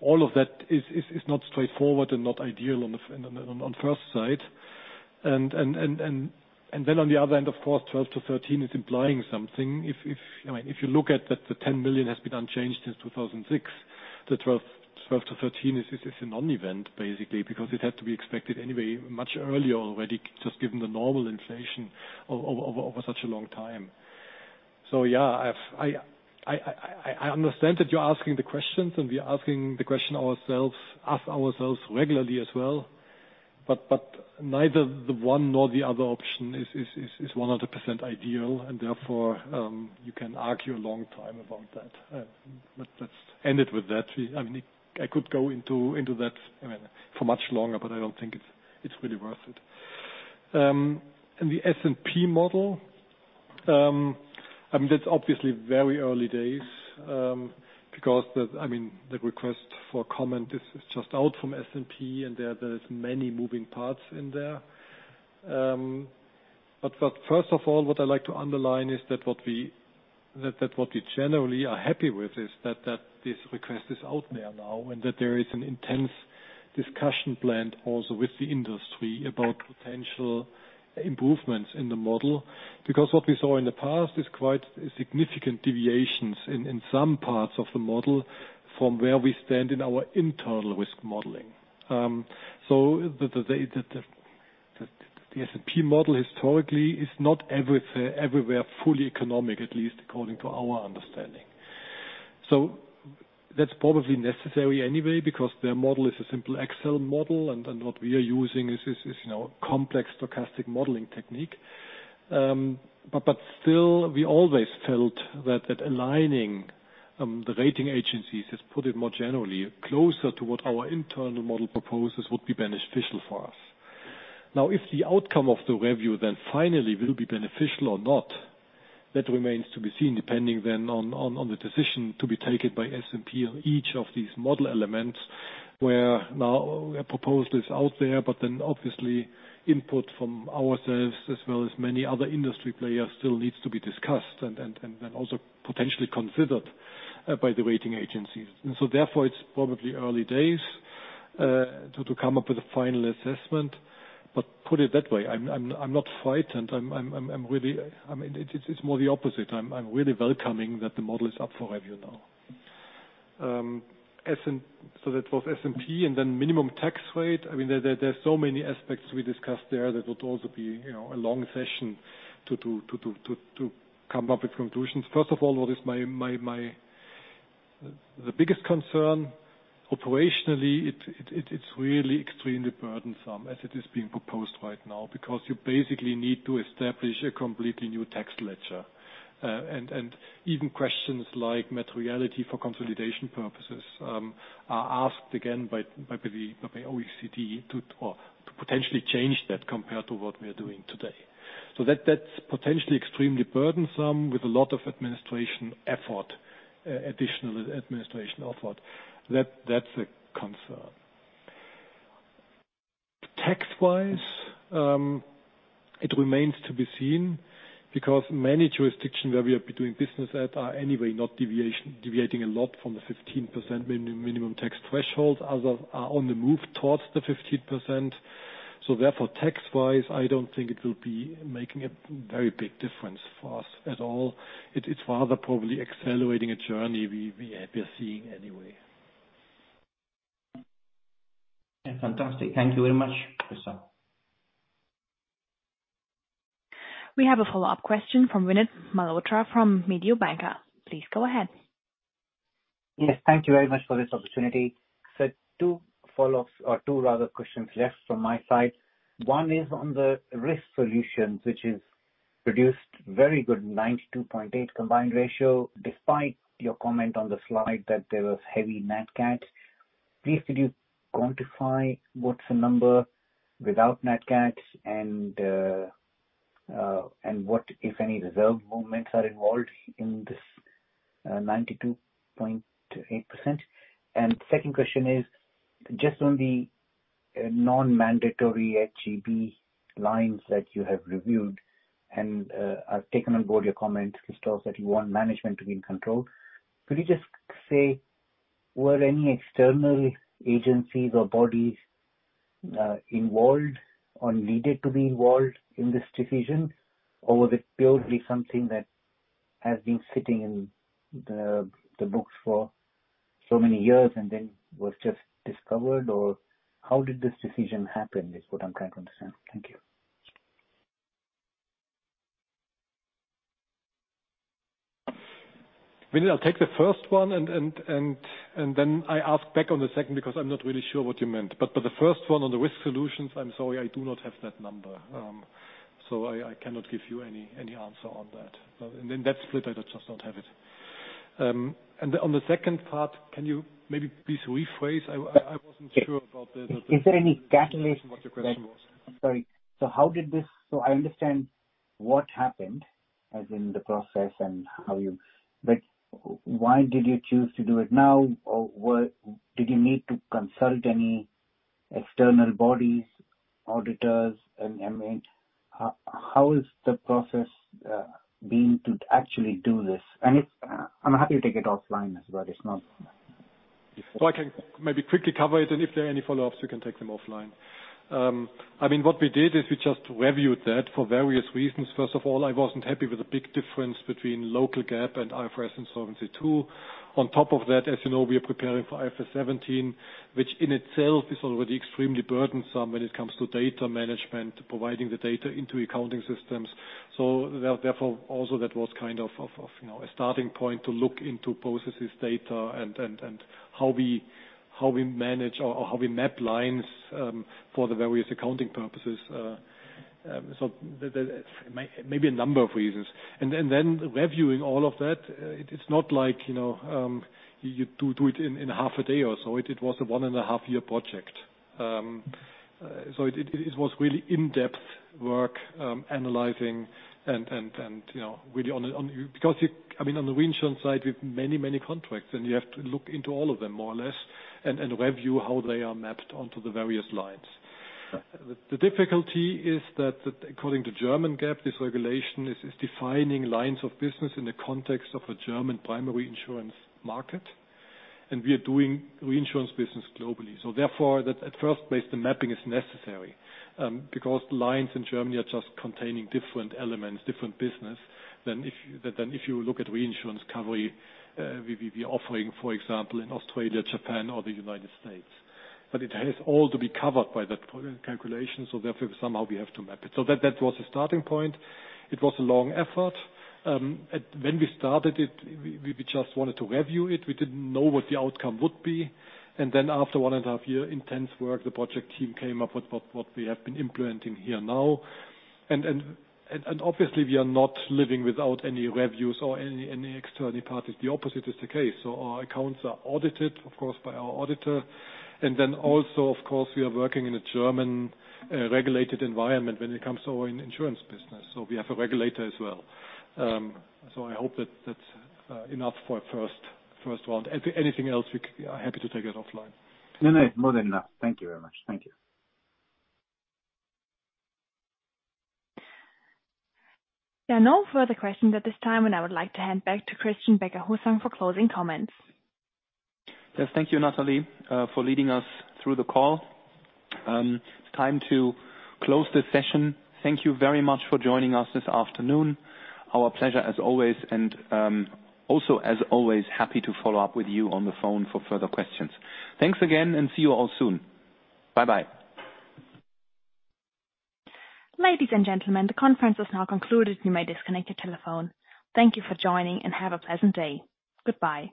All of that is not straightforward and not ideal at first sight. Then on the other end, of course, 12-13 is implying something. I mean, if you look at that the 10 million has been unchanged since 2006, the 12-13 is a non-event, basically, because it had to be expected anyway much earlier already, just given the normal inflation over such a long time. Yeah, I understand that you're asking the questions and we are asking ourselves the question regularly as well. Neither the one nor the other option is 100% ideal, and therefore you can argue a long time about that. Let's end it with that. I mean, I could go into that, I mean, for much longer, but I don't think it's really worth it. The S&P model, I mean, that's obviously very early days, because the request for comment is just out from S&P, and there's many moving parts in there. First of all, what I'd like to underline is that what we generally are happy with is that this request is out there now, and that there is an intense discussion planned also with the industry about potential improvements in the model. Because what we saw in the past is quite significant deviations in some parts of the model from where we stand in our internal risk modeling. The S&P model historically is not everywhere fully economic, at least according to our understanding. That's probably necessary anyway because their model is a simple Excel model, and then what we are using is, you know, a complex stochastic modeling technique. Still, we always felt that aligning the rating agencies has put it more generally closer to what our internal model proposes would be beneficial for us. Now, if the outcome of the review then finally will be beneficial or not, that remains to be seen, depending then on the decision to be taken by S&P on each of these model elements, where now a proposal is out there, but then obviously input from ourselves as well as many other industry players still needs to be discussed and also potentially considered by the rating agencies. Therefore, it's probably early days to come up with a final assessment. Put it that way, I'm really. I mean, it's more the opposite. I'm really welcoming that the model is up for review now. So that was S&P and then minimum tax rate. I mean, there are so many aspects we discussed there that would also be, you know, a long session to come up with conclusions. First of all, what is my. The biggest concern operationally, it's really extremely burdensome as it is being proposed right now because you basically need to establish a completely new tax ledger. Even questions like materiality for consolidation purposes are asked again by the OECD to potentially change that compared to what we are doing today. That's potentially extremely burdensome with a lot of administration effort, additional administration effort. That's a concern. Tax-wise, it remains to be seen because many jurisdictions where we are doing business at are anyway not deviating a lot from the 15% minimum tax threshold. Others are on the move towards the 15%. Therefore tax-wise, I don't think it will be making a very big difference for us at all. It's rather probably accelerating a journey we are seeing anyway. Yeah. Fantastic. Thank you very much, Christoph. We have a follow-up question from Vinit Malhotra from Mediobanca. Please go ahead. Yes. Thank you very much for this opportunity. Two follow-ups or two rather questions left from my side. One is on the Risk Solutions, which has produced very good 92.8% combined ratio, despite your comment on the slide that there was heavy nat cat. Please could you quantify what's the number without nat cat and what, if any, reserve movements are involved in this 92.8%. Second question is, just on the non-mandatory HGB lines that you have reviewed, and I've taken on board your comment, Christoph, that you want management to be in control. Could you just say, were any external agencies or bodies involved or needed to be involved in this decision? Was it purely something that has been sitting in the books for so many years and then was just discovered, or how did this decision happen is what I'm trying to understand. Thank you. Vinit, I'll take the first one, and then I ask back on the second because I'm not really sure what you meant. The first one on the Risk Solutions, I'm sorry, I do not have that number. I cannot give you any answer on that. In that split, I just don't have it. On the second part, can you maybe please rephrase? I wasn't sure about the. Is there any catalyst that. What your question was. I'm sorry. I understand what happened, as in the process and how you. Why did you choose to do it now? Did you need to consult any external bodies, auditors? I mean, how is the process going to actually do this? I'm happy to take it offline as well. It's not. I can maybe quickly cover it, and if there are any follow-ups, we can take them offline. I mean, what we did is we just reviewed that for various reasons. First of all, I wasn't happy with the big difference between German GAAP and IFRS and Solvency II. On top of that, as you know, we are preparing for IFRS 17, which in itself is already extremely burdensome when it comes to data management, providing the data into accounting systems. Therefore, also that was kind of, you know, a starting point to look into processes, data and how we manage or how we map lines for the various accounting purposes. So the maybe a number of reasons. Reviewing all of that, it's not like, you know, you do it in half a day or so. It was a 1.5-year project. It was really in-depth work, analyzing and, you know, really on. I mean, on the reinsurance side, we have many contracts, and you have to look into all of them more or less and review how they are mapped onto the various lines. The difficulty is that according to German GAAP, this regulation is defining lines of business in the context of a German primary insurance market, and we are doing reinsurance business globally. Therefore, that at first place the mapping is necessary, because lines in Germany are just containing different elements, different business than if you look at reinsurance cover, we're offering, for example, in Australia, Japan, or the United States. It has all to be covered by that calculation, so therefore somehow we have to map it. That was the starting point. It was a long effort. When we started it, we just wanted to review it. We didn't know what the outcome would be. Then after one and a half year intense work, the project team came up with what we have been implementing here now. Obviously we are not living without any reviews or any external parties. The opposite is the case. Our accounts are audited, of course, by our auditor. Of course, we are working in a German regulated environment when it comes to our insurance business, so we have a regulator as well. I hope that that's enough for a first round. Anything else, we're happy to take it offline. No, no. More than enough. Thank you very much. Thank you. There are no further questions at this time, and I would like to hand back to Christian Becker-Hussong for closing comments. Yes, thank you, Natalie, for leading us through the call. It's time to close the session. Thank you very much for joining us this afternoon. Our pleasure as always. Also as always, happy to follow up with you on the phone for further questions. Thanks again and see you all soon. Bye-bye. Ladies and gentlemen, the conference is now concluded. You may disconnect your telephone. Thank you for joining, and have a pleasant day. Goodbye.